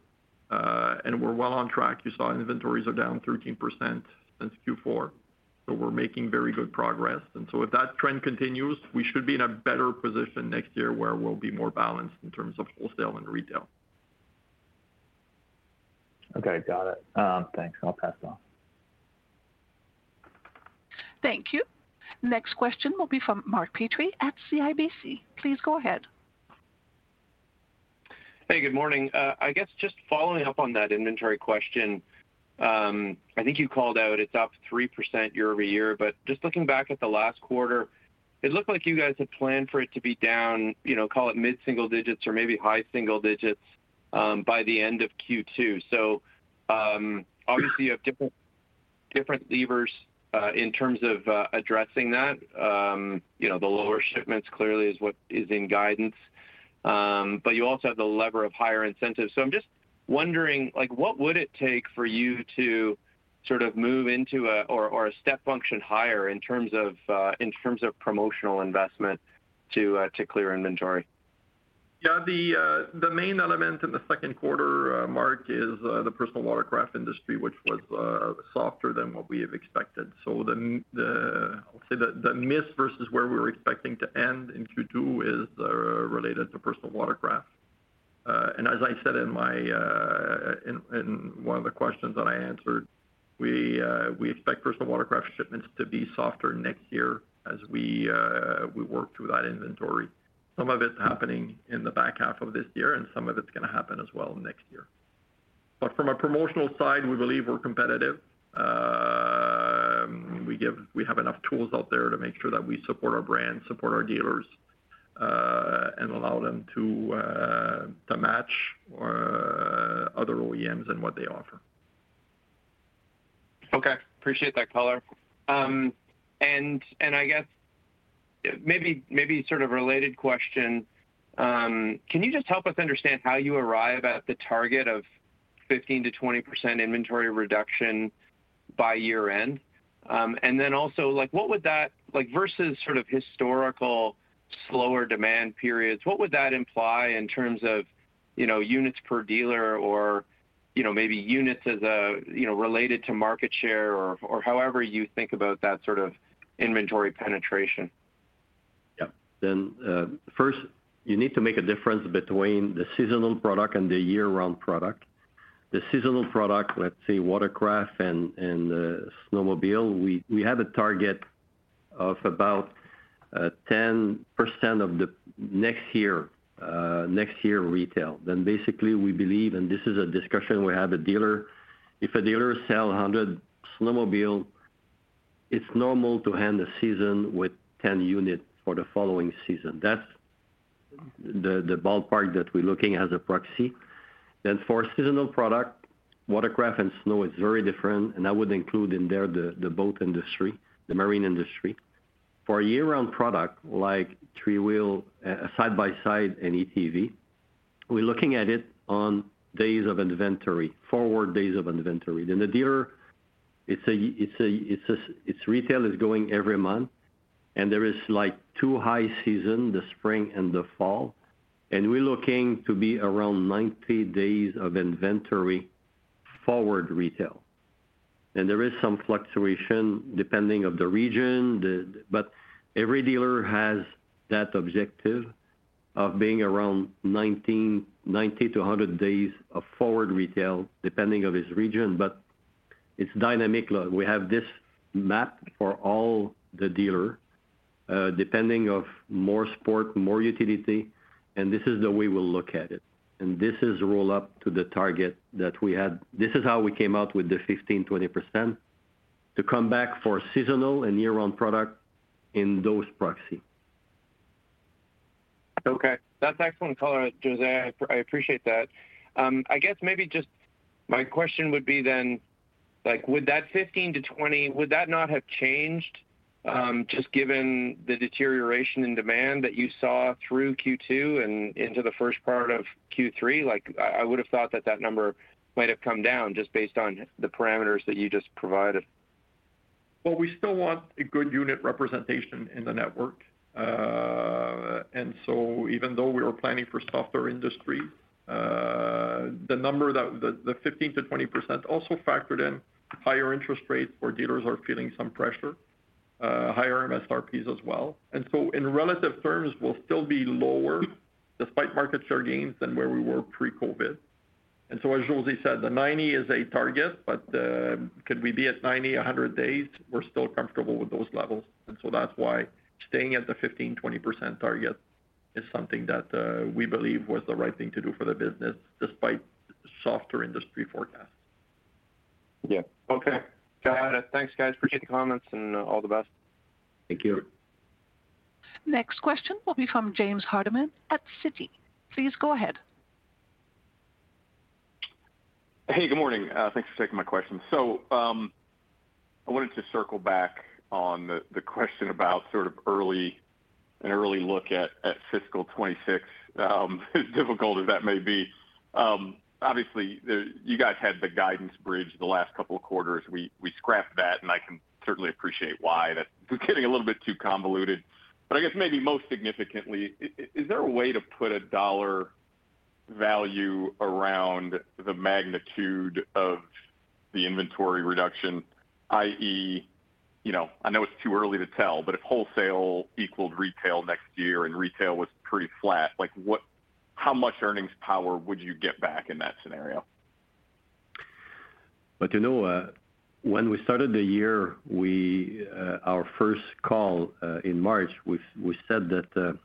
and we're well on track. You saw inventories are down 13% since Q4, so we're making very good progress. And so if that trend continues, we should be in a better position next year, where we'll be more balanced in terms of wholesale and retail. Okay, got it. Thanks. I'll pass it on. Thank you. Next question will be from Mark Petrie at CIBC. Please go ahead. Hey, good morning. I guess just following up on that inventory question. I think you called out it's up 3% year over year. But just looking back at the last quarter, it looked like you guys had planned for it to be down, you know, call it mid-single digits or maybe high single digits, by the end of Q2. So, obviously, you have different levers in terms of addressing that. You know, the lower shipments clearly is what is in guidance, but you also have the lever of higher incentives. So I'm just wondering, like, what would it take for you to sort of move into a step function higher in terms of promotional investment to clear inventory? Yeah, the main element in the second quarter, Mark, is the personal watercraft industry, which was softer than what we have expected. So the miss versus where we were expecting to end in Q2 is related to personal watercraft. And as I said in my, in one of the questions that I answered, we expect personal watercraft shipments to be softer next year as we work through that inventory. Some of it's happening in the back half of this year, and some of it's going to happen as well next year. But from a promotional side, we believe we're competitive. We have enough tools out there to make sure that we support our brand, support our dealers, and allow them to match other OEMs and what they offer. Okay, appreciate that color, and I guess, maybe sort of a related question. Can you just help us understand how you arrive at the target of 15%-20% inventory reduction by year-end? And then also, like, what would that, like, versus sort of historical slower demand periods, what would that imply in terms of, you know, units per dealer or, you know, maybe units as a, you know, related to market share or, or however you think about that sort of inventory penetration? ... Yeah. Then, first, you need to make a difference between the seasonal product and the year-round product. The seasonal product, let's say, watercraft and snowmobile, we have a target of about 10% of next year's retail. Then basically, we believe, and this is a discussion we have with a dealer, if a dealer sell 100 snowmobile, it's normal to end the season with 10 units for the following season. That's the ballpark that we're looking at as a proxy. Then for seasonal product, watercraft and snow is very different, and I would include in there the boat industry, the marine industry. For a year-round product, like three-wheel, side-by-side and ATV, we're looking at it on days of inventory, forward days of inventory. The dealer's a year. Its retail is going every month, and there is like two high seasons, the spring and the fall, and we're looking to be around 90 days of inventory forward retail. And there is some fluctuation depending on the region. But every dealer has that objective of being around 90 to 100 days of forward retail, depending on his region, but it's dynamic. We have this map for all the dealers depending on more sport, more utility, and this is the way we'll look at it. And this is roll up to the target that we had. This is how we came out with the 15-20% to come back for seasonal and year-round product in those proxy. Okay. That's excellent color, José. I appreciate that. I guess maybe just my question would be then, like, would that 15-20, would that not have changed, just given the deterioration in demand that you saw through Q2 and into the first part of Q3? Like, I would have thought that that number might have come down just based on the parameters that you just provided. We still want a good unit representation in the network. And so even though we were planning for softer industry, the 15%-20% also factored in higher interest rates, where dealers are feeling some pressure, higher MSRPs as well. In relative terms, we'll still be lower, despite market share gains, than where we were pre-COVID. As José said, the 90 is a target, but could we be at 90-100 days? We're still comfortable with those levels, and that's why staying at the 15%-20% target is something that we believe was the right thing to do for the business, despite softer industry forecasts. Yeah. Okay. Got it. Thanks, guys. Appreciate the comments and all the best. Thank you. Next question will be from James Hardiman at Citi. Please go ahead. Hey, good morning. Thanks for taking my question. So, I wanted to circle back on the question about sort of an early look at fiscal twenty-six, as difficult as that may be. Obviously, you guys had the guidance bridge the last couple of quarters. We scrapped that, and I can certainly appreciate why. That was getting a little bit too convoluted. But I guess maybe most significantly, is there a way to put a dollar value around the magnitude of the inventory reduction, i.e., you know, I know it's too early to tell, but if wholesale equaled retail next year and retail was pretty flat, like, what, how much earnings power would you get back in that scenario? But, you know, when we started the year, our first call in March, we said that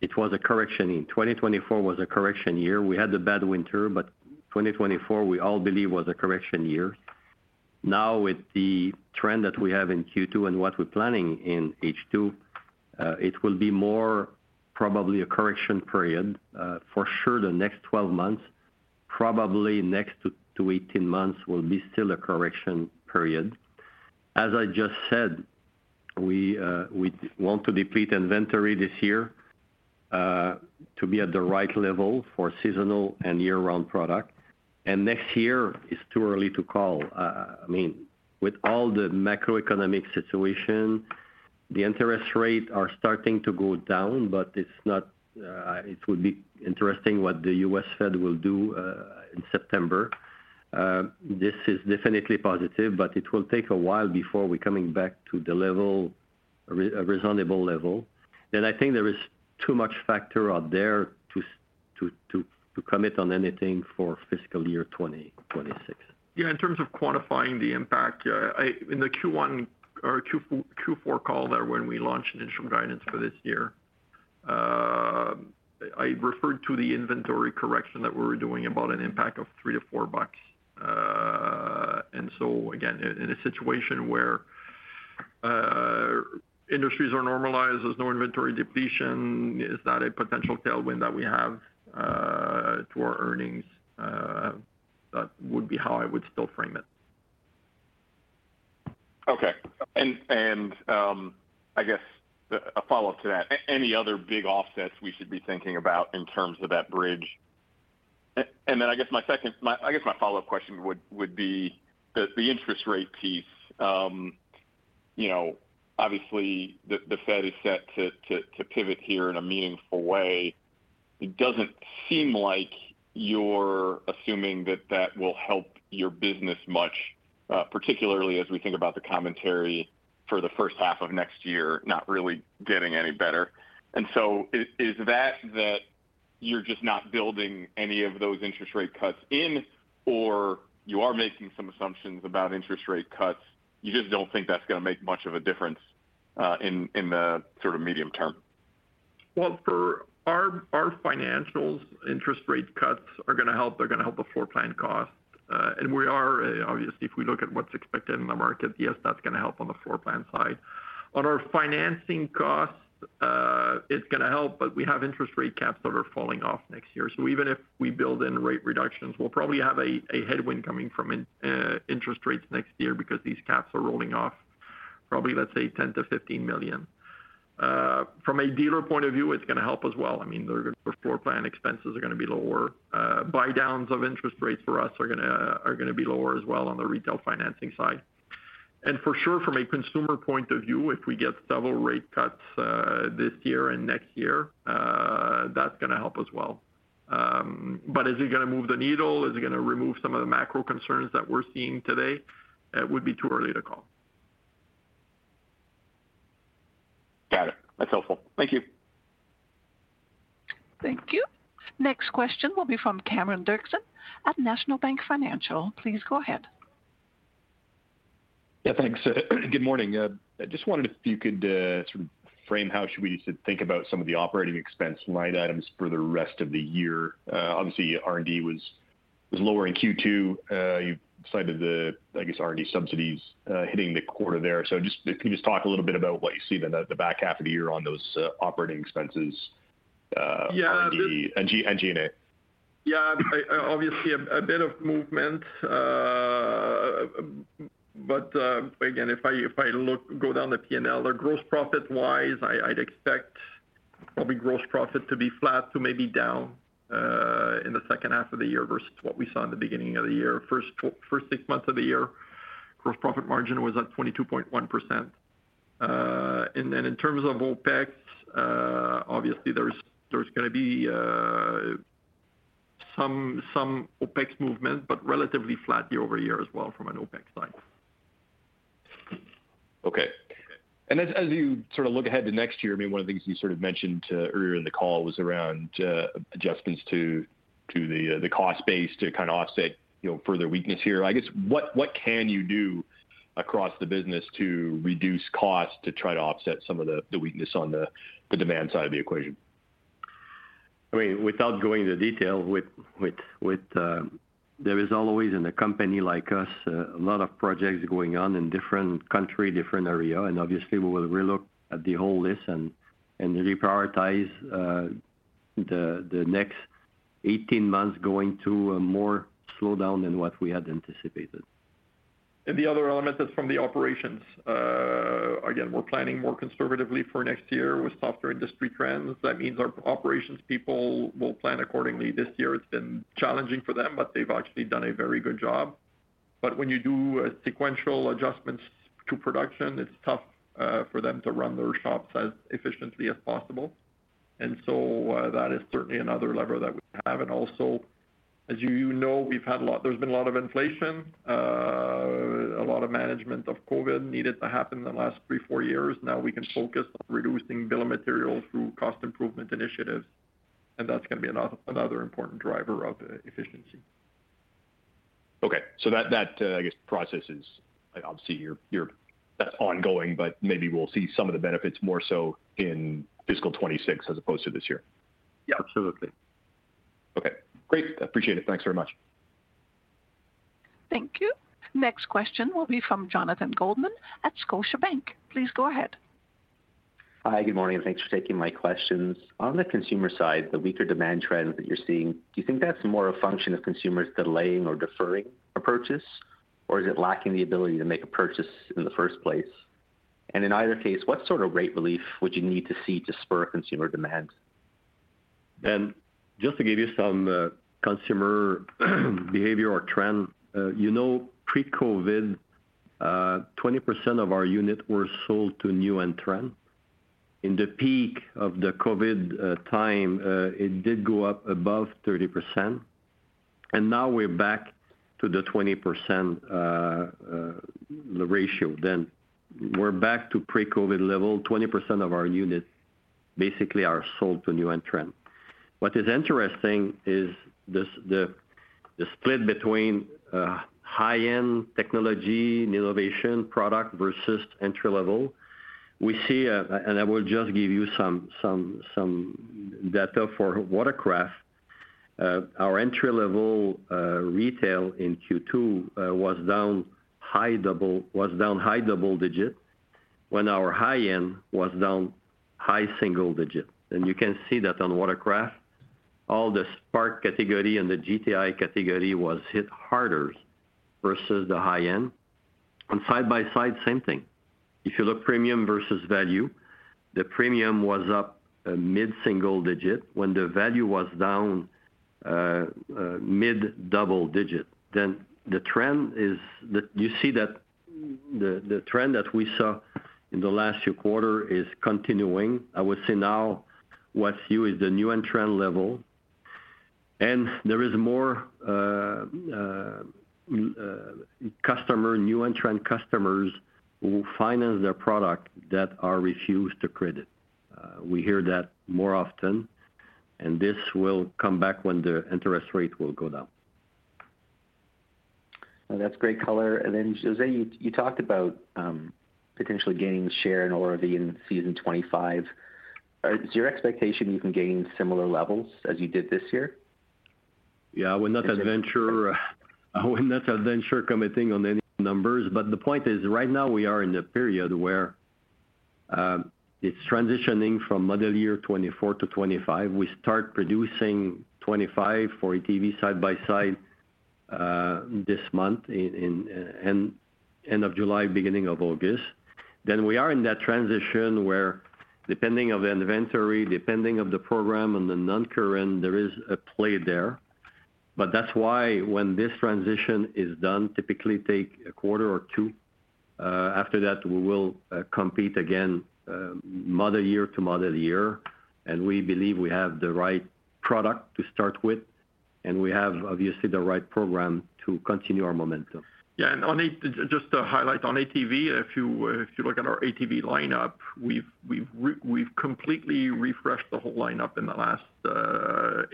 it was a correction. 2024 was a correction year. We had the bad winter, but 2024, we all believe, was a correction year. Now, with the trend that we have in Q2 and what we're planning in H2, it will be more probably a correction period, for sure the next 12 months, probably next 12 to 18 months will be still a correction period. As I just said, we want to deplete inventory this year, to be at the right level for seasonal and year-round product. And next year is too early to call. I mean, with all the macroeconomic situation, the interest rate are starting to go down, but it's not. It would be interesting what the U.S. Fed will do in September. This is definitely positive, but it will take a while before we're coming back to the level, a reasonable level. Then I think there is too much factor out there to commit on anything for fiscal year 2026. Yeah, in terms of quantifying the impact, yeah, in the Q1 or Q4 call there, when we launched initial guidance for this year, I referred to the inventory correction that we were doing about an impact of $3-$4. And so again, in a situation where industries are normalized, there's no inventory depletion, is that a potential tailwind that we have to our earnings? That would be how I would still frame it. Okay. And a follow-up to that. Any other big offsets we should be thinking about in terms of that bridge? And then I guess my second, my, I guess my follow-up question would be the interest rate piece. You know, obviously, the Fed is set to pivot here in a meaningful way. It doesn't seem like you're assuming that that will help your business much, particularly as we think about the commentary for the first half of next year, not really getting any better. And so is that you're just not building any of those interest rate cuts in, or you are making some assumptions about interest rate cuts, you just don't think that's gonna make much of a difference in the sort of medium term? For our financials, interest rate cuts are gonna help. They're gonna help the floor plan costs. We are obviously if we look at what's expected in the market. Yes, that's gonna help on the floor plan side. On our financing costs, it's gonna help, but we have interest rate caps that are falling off next year. Even if we build in rate reductions, we'll probably have a headwind coming from interest rates next year because these caps are rolling off probably, let's say, 10-15 million. From a dealer point of view, it's gonna help as well. I mean, their floor plan expenses are gonna be lower. Buy downs of interest rates for us are gonna be lower as well on the retail financing side. And for sure, from a consumer point of view, if we get several rate cuts, this year and next year, that's gonna help as well. But is it gonna move the needle? Is it gonna remove some of the macro concerns that we're seeing today? It would be too early to call. Got it. That's helpful. Thank you. Thank you. Next question will be from Cameron Dirkson at National Bank Financial. Please go ahead. Yeah, thanks. Good morning. I just wondered if you could sort of frame how should we think about some of the operating expense line items for the rest of the year? Obviously, R&D was lower in Q2. You cited the, I guess, R&D subsidies hitting the quarter there. So just can you just talk a little bit about what you see the back half of the year on those operating expenses. Yeah. R&D and SG&A? Yeah, obviously a bit of movement. But again, if I look down the P&L, the gross profit-wise, I'd expect probably gross profit to be flat to maybe down in the second half of the year versus what we saw in the beginning of the year. First four, first six months of the year, gross profit margin was at 22.1%. And then in terms of OpEx, obviously, there's gonna be some OpEx movement, but relatively flat year over year as well from an OpEx side. Okay. And as you sort of look ahead to next year, I mean, one of the things you sort of mentioned earlier in the call was around adjustments to the cost base to kind of offset, you know, further weakness here. I guess, what can you do across the business to reduce costs to try to offset some of the weakness on the demand side of the equation? I mean, without going into detail, there is always in a company like us a lot of projects going on in different country, different area, and obviously we will relook at the whole list and reprioritize the next eighteen months going to a more slowdown than what we had anticipated. The other element is from the operations. Again, we're planning more conservatively for next year with softer industry trends. That means our operations people will plan accordingly. This year it's been challenging for them, but they've actually done a very good job. When you do sequential adjustments to production, it's tough for them to run their shops as efficiently as possible. That is certainly another lever that we have. Also, as you know, there's been a lot of inflation, a lot of management of COVID needed to happen in the last three, four years. Now we can focus on reducing bill of materials through cost improvement initiatives, and that's gonna be another important driver of efficiency. Okay. So that process is, obviously, you're that's ongoing, but maybe we'll see some of the benefits more so in fiscal 2026 as opposed to this year? Yeah. Absolutely. Okay, great. Appreciate it. Thanks very much. Thank you. Next question will be from Jonathan Goldman at Scotiabank. Please go ahead. Hi, good morning, and thanks for taking my questions. On the consumer side, the weaker demand trends that you're seeing, do you think that's more a function of consumers delaying or deferring a purchase? Or is it lacking the ability to make a purchase in the first place? And in either case, what sort of rate relief would you need to see to spur consumer demand? And just to give you some consumer behavior or trend, you know, pre-COVID, 20% of our units were sold to new entrant. In the peak of the COVID time, it did go up above 30%, and now we're back to the 20% ratio. Then we're back to pre-COVID level. 20% of our units basically are sold to new entrant. What is interesting is the split between high-end technology and innovation product versus entry-level. We see, and I will just give you some data for watercraft. Our entry-level retail in Q2 was down high double digit, when our high-end was down high single digit. You can see that on watercraft, all the Spark category and the GTI category was hit harder versus the high end. On side-by-side, same thing. If you look premium versus value, the premium was up mid-single digit, when the value was down mid-double digit. Then the trend is that you see that. The trend that we saw in the last few quarter is continuing. I would say now, what's new is the entry-level trend, and there is more customer entry-level trend customers who finance their product that are refused credit. We hear that more often, and this will come back when the interest rate will go down. That's great color. Then, José, you talked about potentially gaining share in ORV in season twenty-five. Is your expectation you can gain similar levels as you did this year? Yeah, I would not venture committing on any numbers, but the point is, right now we are in the period where it's transitioning from model year 2024 to 2025. We start producing 2025 for ATV side by side this month, end of July, beginning of August. Then we are in that transition where, depending on the inventory, depending on the program and the noncurrent, there is a play there. But that's why when this transition is done, typically take a quarter or two, after that, we will compete again, model year to model year, and we believe we have the right product to start with, and we have, obviously, the right program to continue our momentum. Yeah, and just to highlight on ATV, if you look at our ATV lineup, we've completely refreshed the whole lineup in the last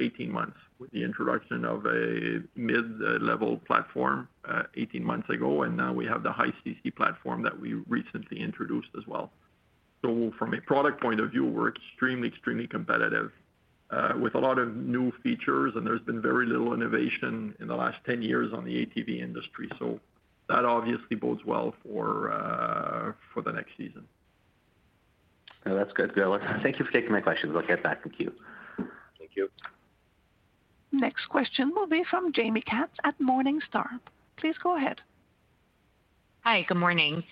18 months with the introduction of a mid-level platform 18 months ago, and now we have the high CC platform that we recently introduced as well. So from a product point of view, we're extremely competitive with a lot of new features, and there's been very little innovation in the last 10 years on the ATV industry. So that obviously bodes well for the next season. That's good. Good. Thank you for taking my questions. I'll get back with you. Thank you. Next question will be from Jamie Katz at Morningstar. Please go ahead. Hi, good morning.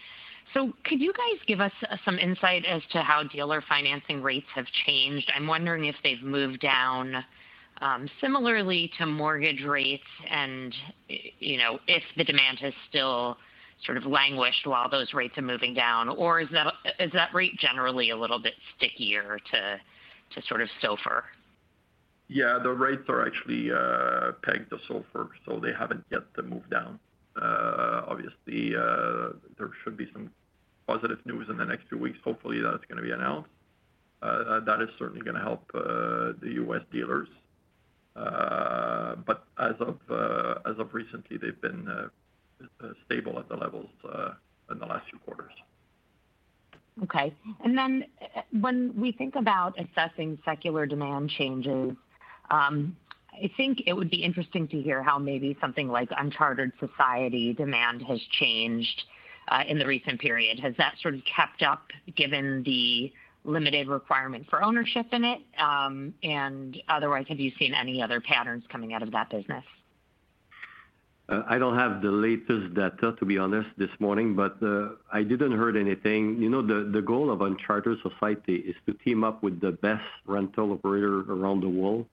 So could you guys give us some insight as to how dealer financing rates have changed? I'm wondering if they've moved down, similarly to mortgage rates and, you know, if the demand has still sort of languished while those rates are moving down, or is that rate generally a little bit stickier to sort of SOFR? Yeah, the rates are actually pegged to SOFR, so they haven't yet to move down. Obviously, there should be some positive news in the next few weeks. Hopefully, that's going to be announced. That is certainly going to help the U.S. dealers. But as of recently, they've been stable at the levels in the last few quarters. Okay. And then when we think about assessing secular demand changes, I think it would be interesting to hear how maybe something like Uncharted Society demand has changed, in the recent period. Has that sort of kept up given the limited requirement for ownership in it? And otherwise, have you seen any other patterns coming out of that business? I don't have the latest data, to be honest, this morning, but I didn't heard anything. You know, the goal of Uncharted Society is to team up with the best rental operator around the world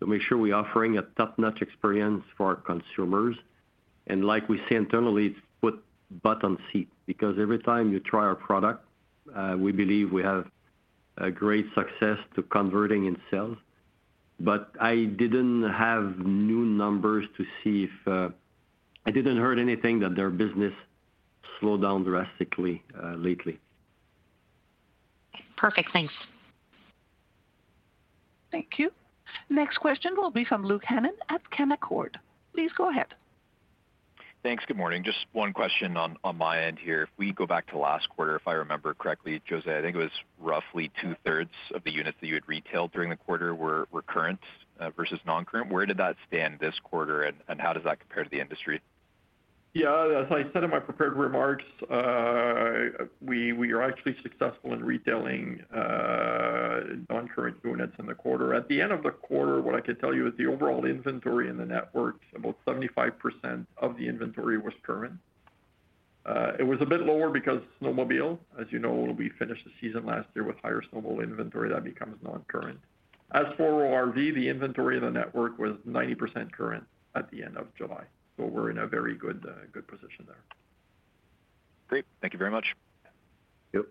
to make sure we're offering a top-notch experience for our consumers. And like we say internally, it's put butt on seat, because every time you try our product, we believe we have a great success to converting in sales. But I didn't have new numbers to see if I didn't heard anything that their business slowed down drastically lately. Perfect. Thanks. Thank you. Next question will be from Luke Hannon at Canaccord. Please go ahead. Thanks. Good morning. Just one question on my end here. If we go back to last quarter, if I remember correctly, José, I think it was roughly two-thirds of the units that you had retailed during the quarter were current versus noncurrent. Where did that stand this quarter, and how does that compare to the industry? Yeah, as I said in my prepared remarks, we are actually successful in retailing noncurrent units in the quarter. At the end of the quarter, what I could tell you is the overall inventory in the network, about 75% of the inventory was current. It was a bit lower because snowmobile, as you know, we finished the season last year with higher snowmobile inventory that becomes noncurrent. As for ORV, the inventory in the network was 90% current at the end of July. So we're in a very good position there. Great. Thank you very much. Yep.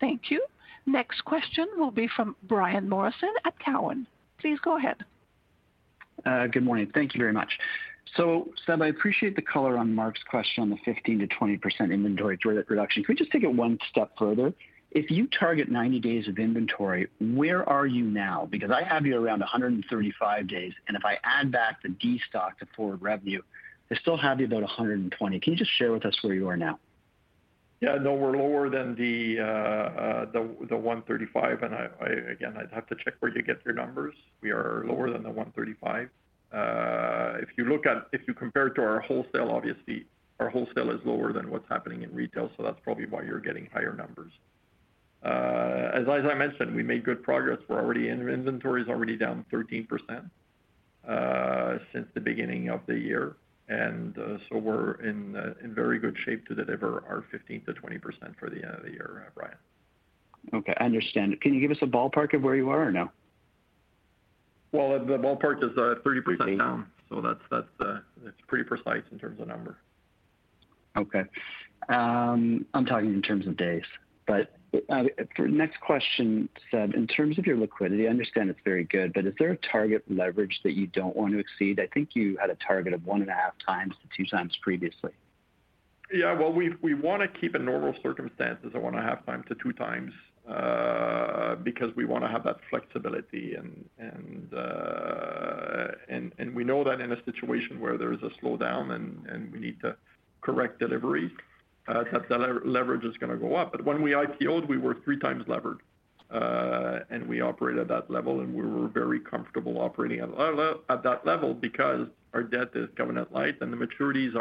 Thank you. Next question will be from Brian Morrison at Cowen. Please go ahead. Good morning. Thank you very much. So Seb, I appreciate the color on Mark's question on the 15%-20% inventory reduction. Can we just take it one step further? If you target 90 days of inventory, where are you now? Because I have you around 135 days, and if I add back the destock to forward revenue, I still have you about 120. Can you just share with us where you are now? Yeah, no, we're lower than the 135, and I again, I'd have to check where you get your numbers. We are lower than the 135. If you compare it to our wholesale, obviously, our wholesale is lower than what's happening in retail, so that's probably why you're getting higher numbers. As I mentioned, we made good progress. We're already in. Inventory is already down 13% since the beginning of the year, and so we're in very good shape to deliver our 15%-20% for the end of the year, Brian.... Okay, I understand. Can you give us a ballpark of where you are or no? The ballpark is 30% down. So that's pretty precise in terms of number. Okay. I'm talking in terms of days, but for next question, Seb, in terms of your liquidity, I understand it's very good, but is there a target leverage that you don't want to exceed? I think you had a target of one and a half times to two times previously. Yeah, well, we want to keep in normal circumstances one and a half times to two times because we want to have that flexibility and we know that in a situation where there is a slowdown and we need to correct delivery that the leverage is going to go up. But when we IPO-ed, we were three times levered and we operate at that level, and we were very comfortable operating at that level because our debt is covenant-light and the maturities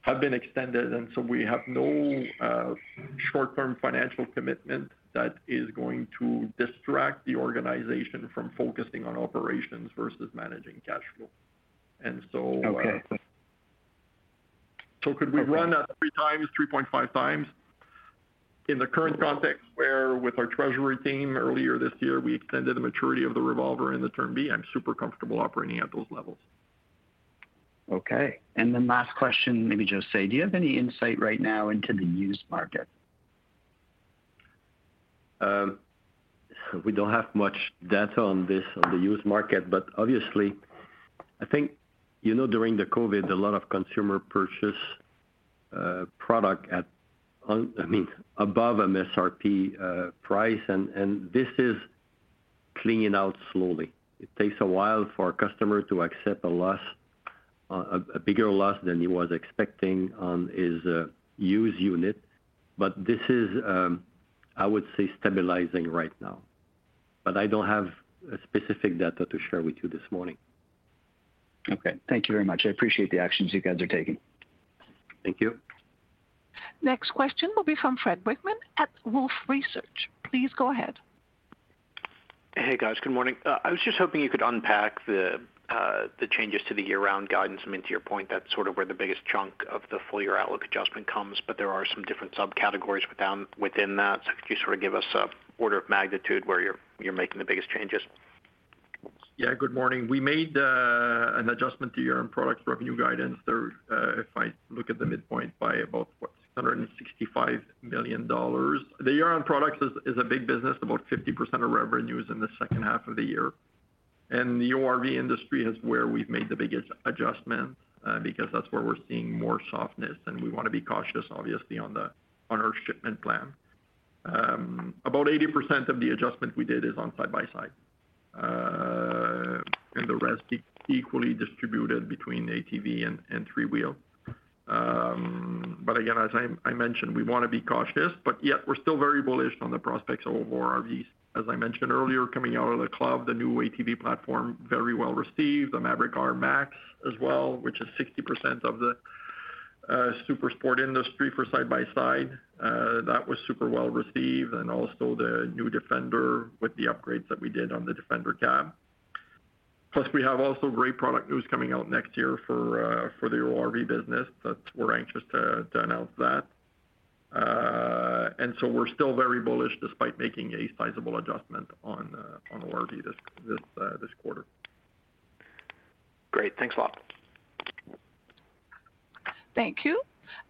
have been extended, and so we have no short-term financial commitment that is going to distract the organization from focusing on operations versus managing cash flow. And so, Okay. Could we run at three times, three point five times? In the current context, where, with our treasury team earlier this year, we extended the maturity of the revolver and the Term B, I'm super comfortable operating at those levels. Okay. And then last question, maybe José, do you have any insight right now into the used market? We don't have much data on this, on the used market, but obviously, I think, you know, during the COVID, a lot of consumer purchase product at, I mean, above MSRP price, and this is cleaning out slowly. It takes a while for a customer to accept a loss, a bigger loss than he was expecting on his used unit, but this is, I would say, stabilizing right now, but I don't have a specific data to share with you this morning. Okay. Thank you very much. I appreciate the actions you guys are taking. Thank you. Next question will be from Fred Wightman at Wolfe Research. Please go ahead. Hey, guys. Good morning. I was just hoping you could unpack the changes to the full-year guidance. I mean, to your point, that's sort of where the biggest chunk of the full year outlook adjustment comes, but there are some different subcategories within that. So could you sort of give us an order of magnitude where you're making the biggest changes? Yeah, good morning. We made an adjustment to year-end product revenue guidance. There, if I look at the midpoint by about, what, 665 million dollars. The year-end products is a big business. About 50% of revenue is in the second half of the year. And the ORV industry is where we've made the biggest adjustments, because that's where we're seeing more softness, and we want to be cautious, obviously, on our shipment plan. About 80% of the adjustment we did is on side-by-side, and the rest equally distributed between ATV and three-wheel. But again, as I mentioned, we want to be cautious, but yet we're still very bullish on the prospects of ORVs. As I mentioned earlier, coming out of the club, the new ATV platform, very well received. The Maverick R Max as well, which is 60% of the super sport industry for side-by-side. That was super well received, and also the new Defender with the upgrades that we did on the Defender Cab. Plus, we have also great product news coming out next year for the ORV business, but we're anxious to announce that. And so we're still very bullish despite making a sizable adjustment on ORV this quarter. Great. Thanks a lot. Thank you.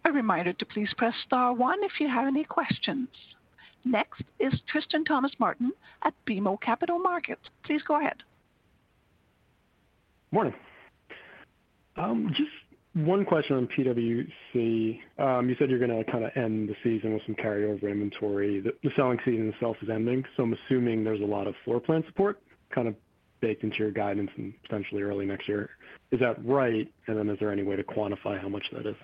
A reminder to please press star one if you have any questions. Next is Tristan Thomas-Martin at BMO Capital Markets. Please go ahead. Morning. Just one question on PWC. You said you're gonna kind of end the season with some carryover inventory. The selling season itself is ending, so I'm assuming there's a lot of floor plan support, kind of baked into your guidance and potentially early next year. Is that right? And then is there any way to quantify how much that is?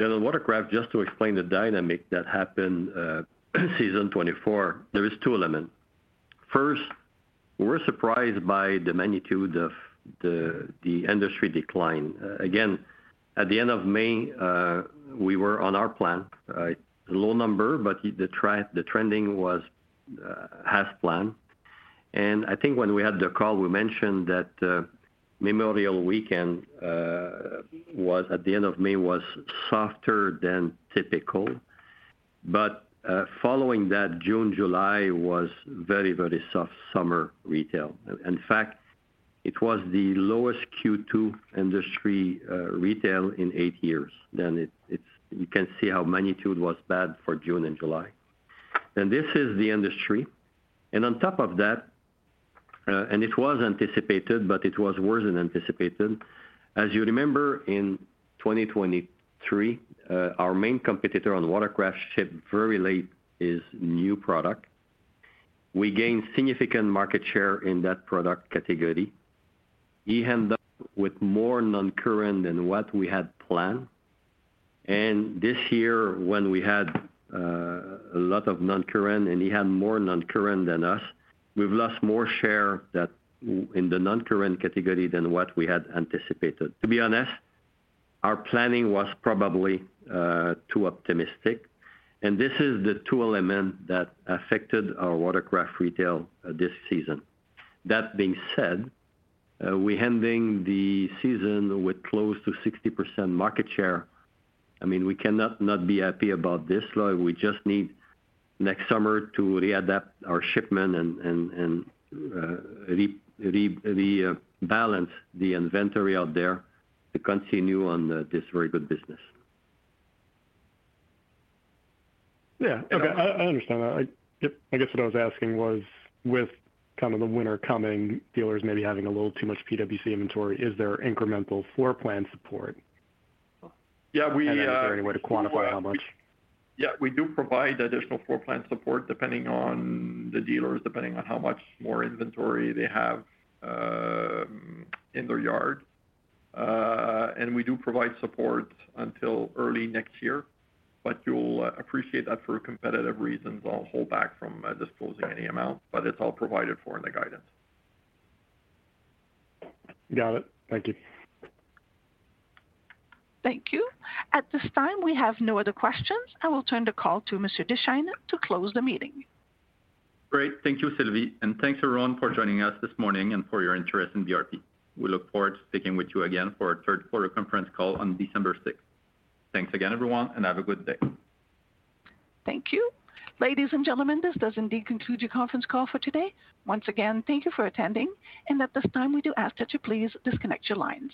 Yeah, the watercraft, just to explain the dynamic that happened, season twenty-four, there is two element. First, we're surprised by the magnitude of the industry decline. Again, at the end of May, we were on our plan, low number, but the trend, the trending was half plan. And I think when we had the call, we mentioned that, Memorial Weekend, at the end of May, was softer than typical. But following that, June, July was very, very soft summer retail. In fact, it was the lowest Q2 industry retail in eight years. Then it, it's. You can see how magnitude was bad for June and July. And this is the industry. And on top of that, and it was anticipated, but it was worse than anticipated. As you remember, in twenty twenty-three, our main competitor on watercraft shipped very late his new product. We gained significant market share in that product category. He end up with more non-current than what we had planned, and this year, when we had a lot of non-current, and he had more non-current than us, we've lost more share than in the non-current category than what we had anticipated. To be honest, our planning was probably too optimistic, and this is the two element that affected our watercraft retail this season. That being said, we ending the season with close to 60% market share. I mean, we cannot not be happy about this though. We just need next summer to readapt our shipment and balance the inventory out there to continue on this very good business. Yeah, okay. I understand that. Yep, I guess what I was asking was, with kind of the winter coming, dealers maybe having a little too much PWC inventory, is there incremental floor plan support? Yeah, we- Is there any way to quantify how much? Yeah, we do provide additional floor plan support, depending on the dealers, depending on how much more inventory they have, in their yard, and we do provide support until early next year, but you'll appreciate that for competitive reasons, I'll hold back from disclosing any amount, but it's all provided for in the guidance. Got it. Thank you. Thank you. At this time, we have no other questions. I will turn the call to Monsieur Deschênes to close the meeting. Great. Thank you, Sylvie, and thanks everyone for joining us this morning and for your interest in BRP. We look forward to speaking with you again for our third quarter conference call on December sixth. Thanks again, everyone, and have a good day. Thank you. Ladies and gentlemen, this does indeed conclude your conference call for today. Once again, thank you for attending, and at this time, we do ask that you please disconnect your lines.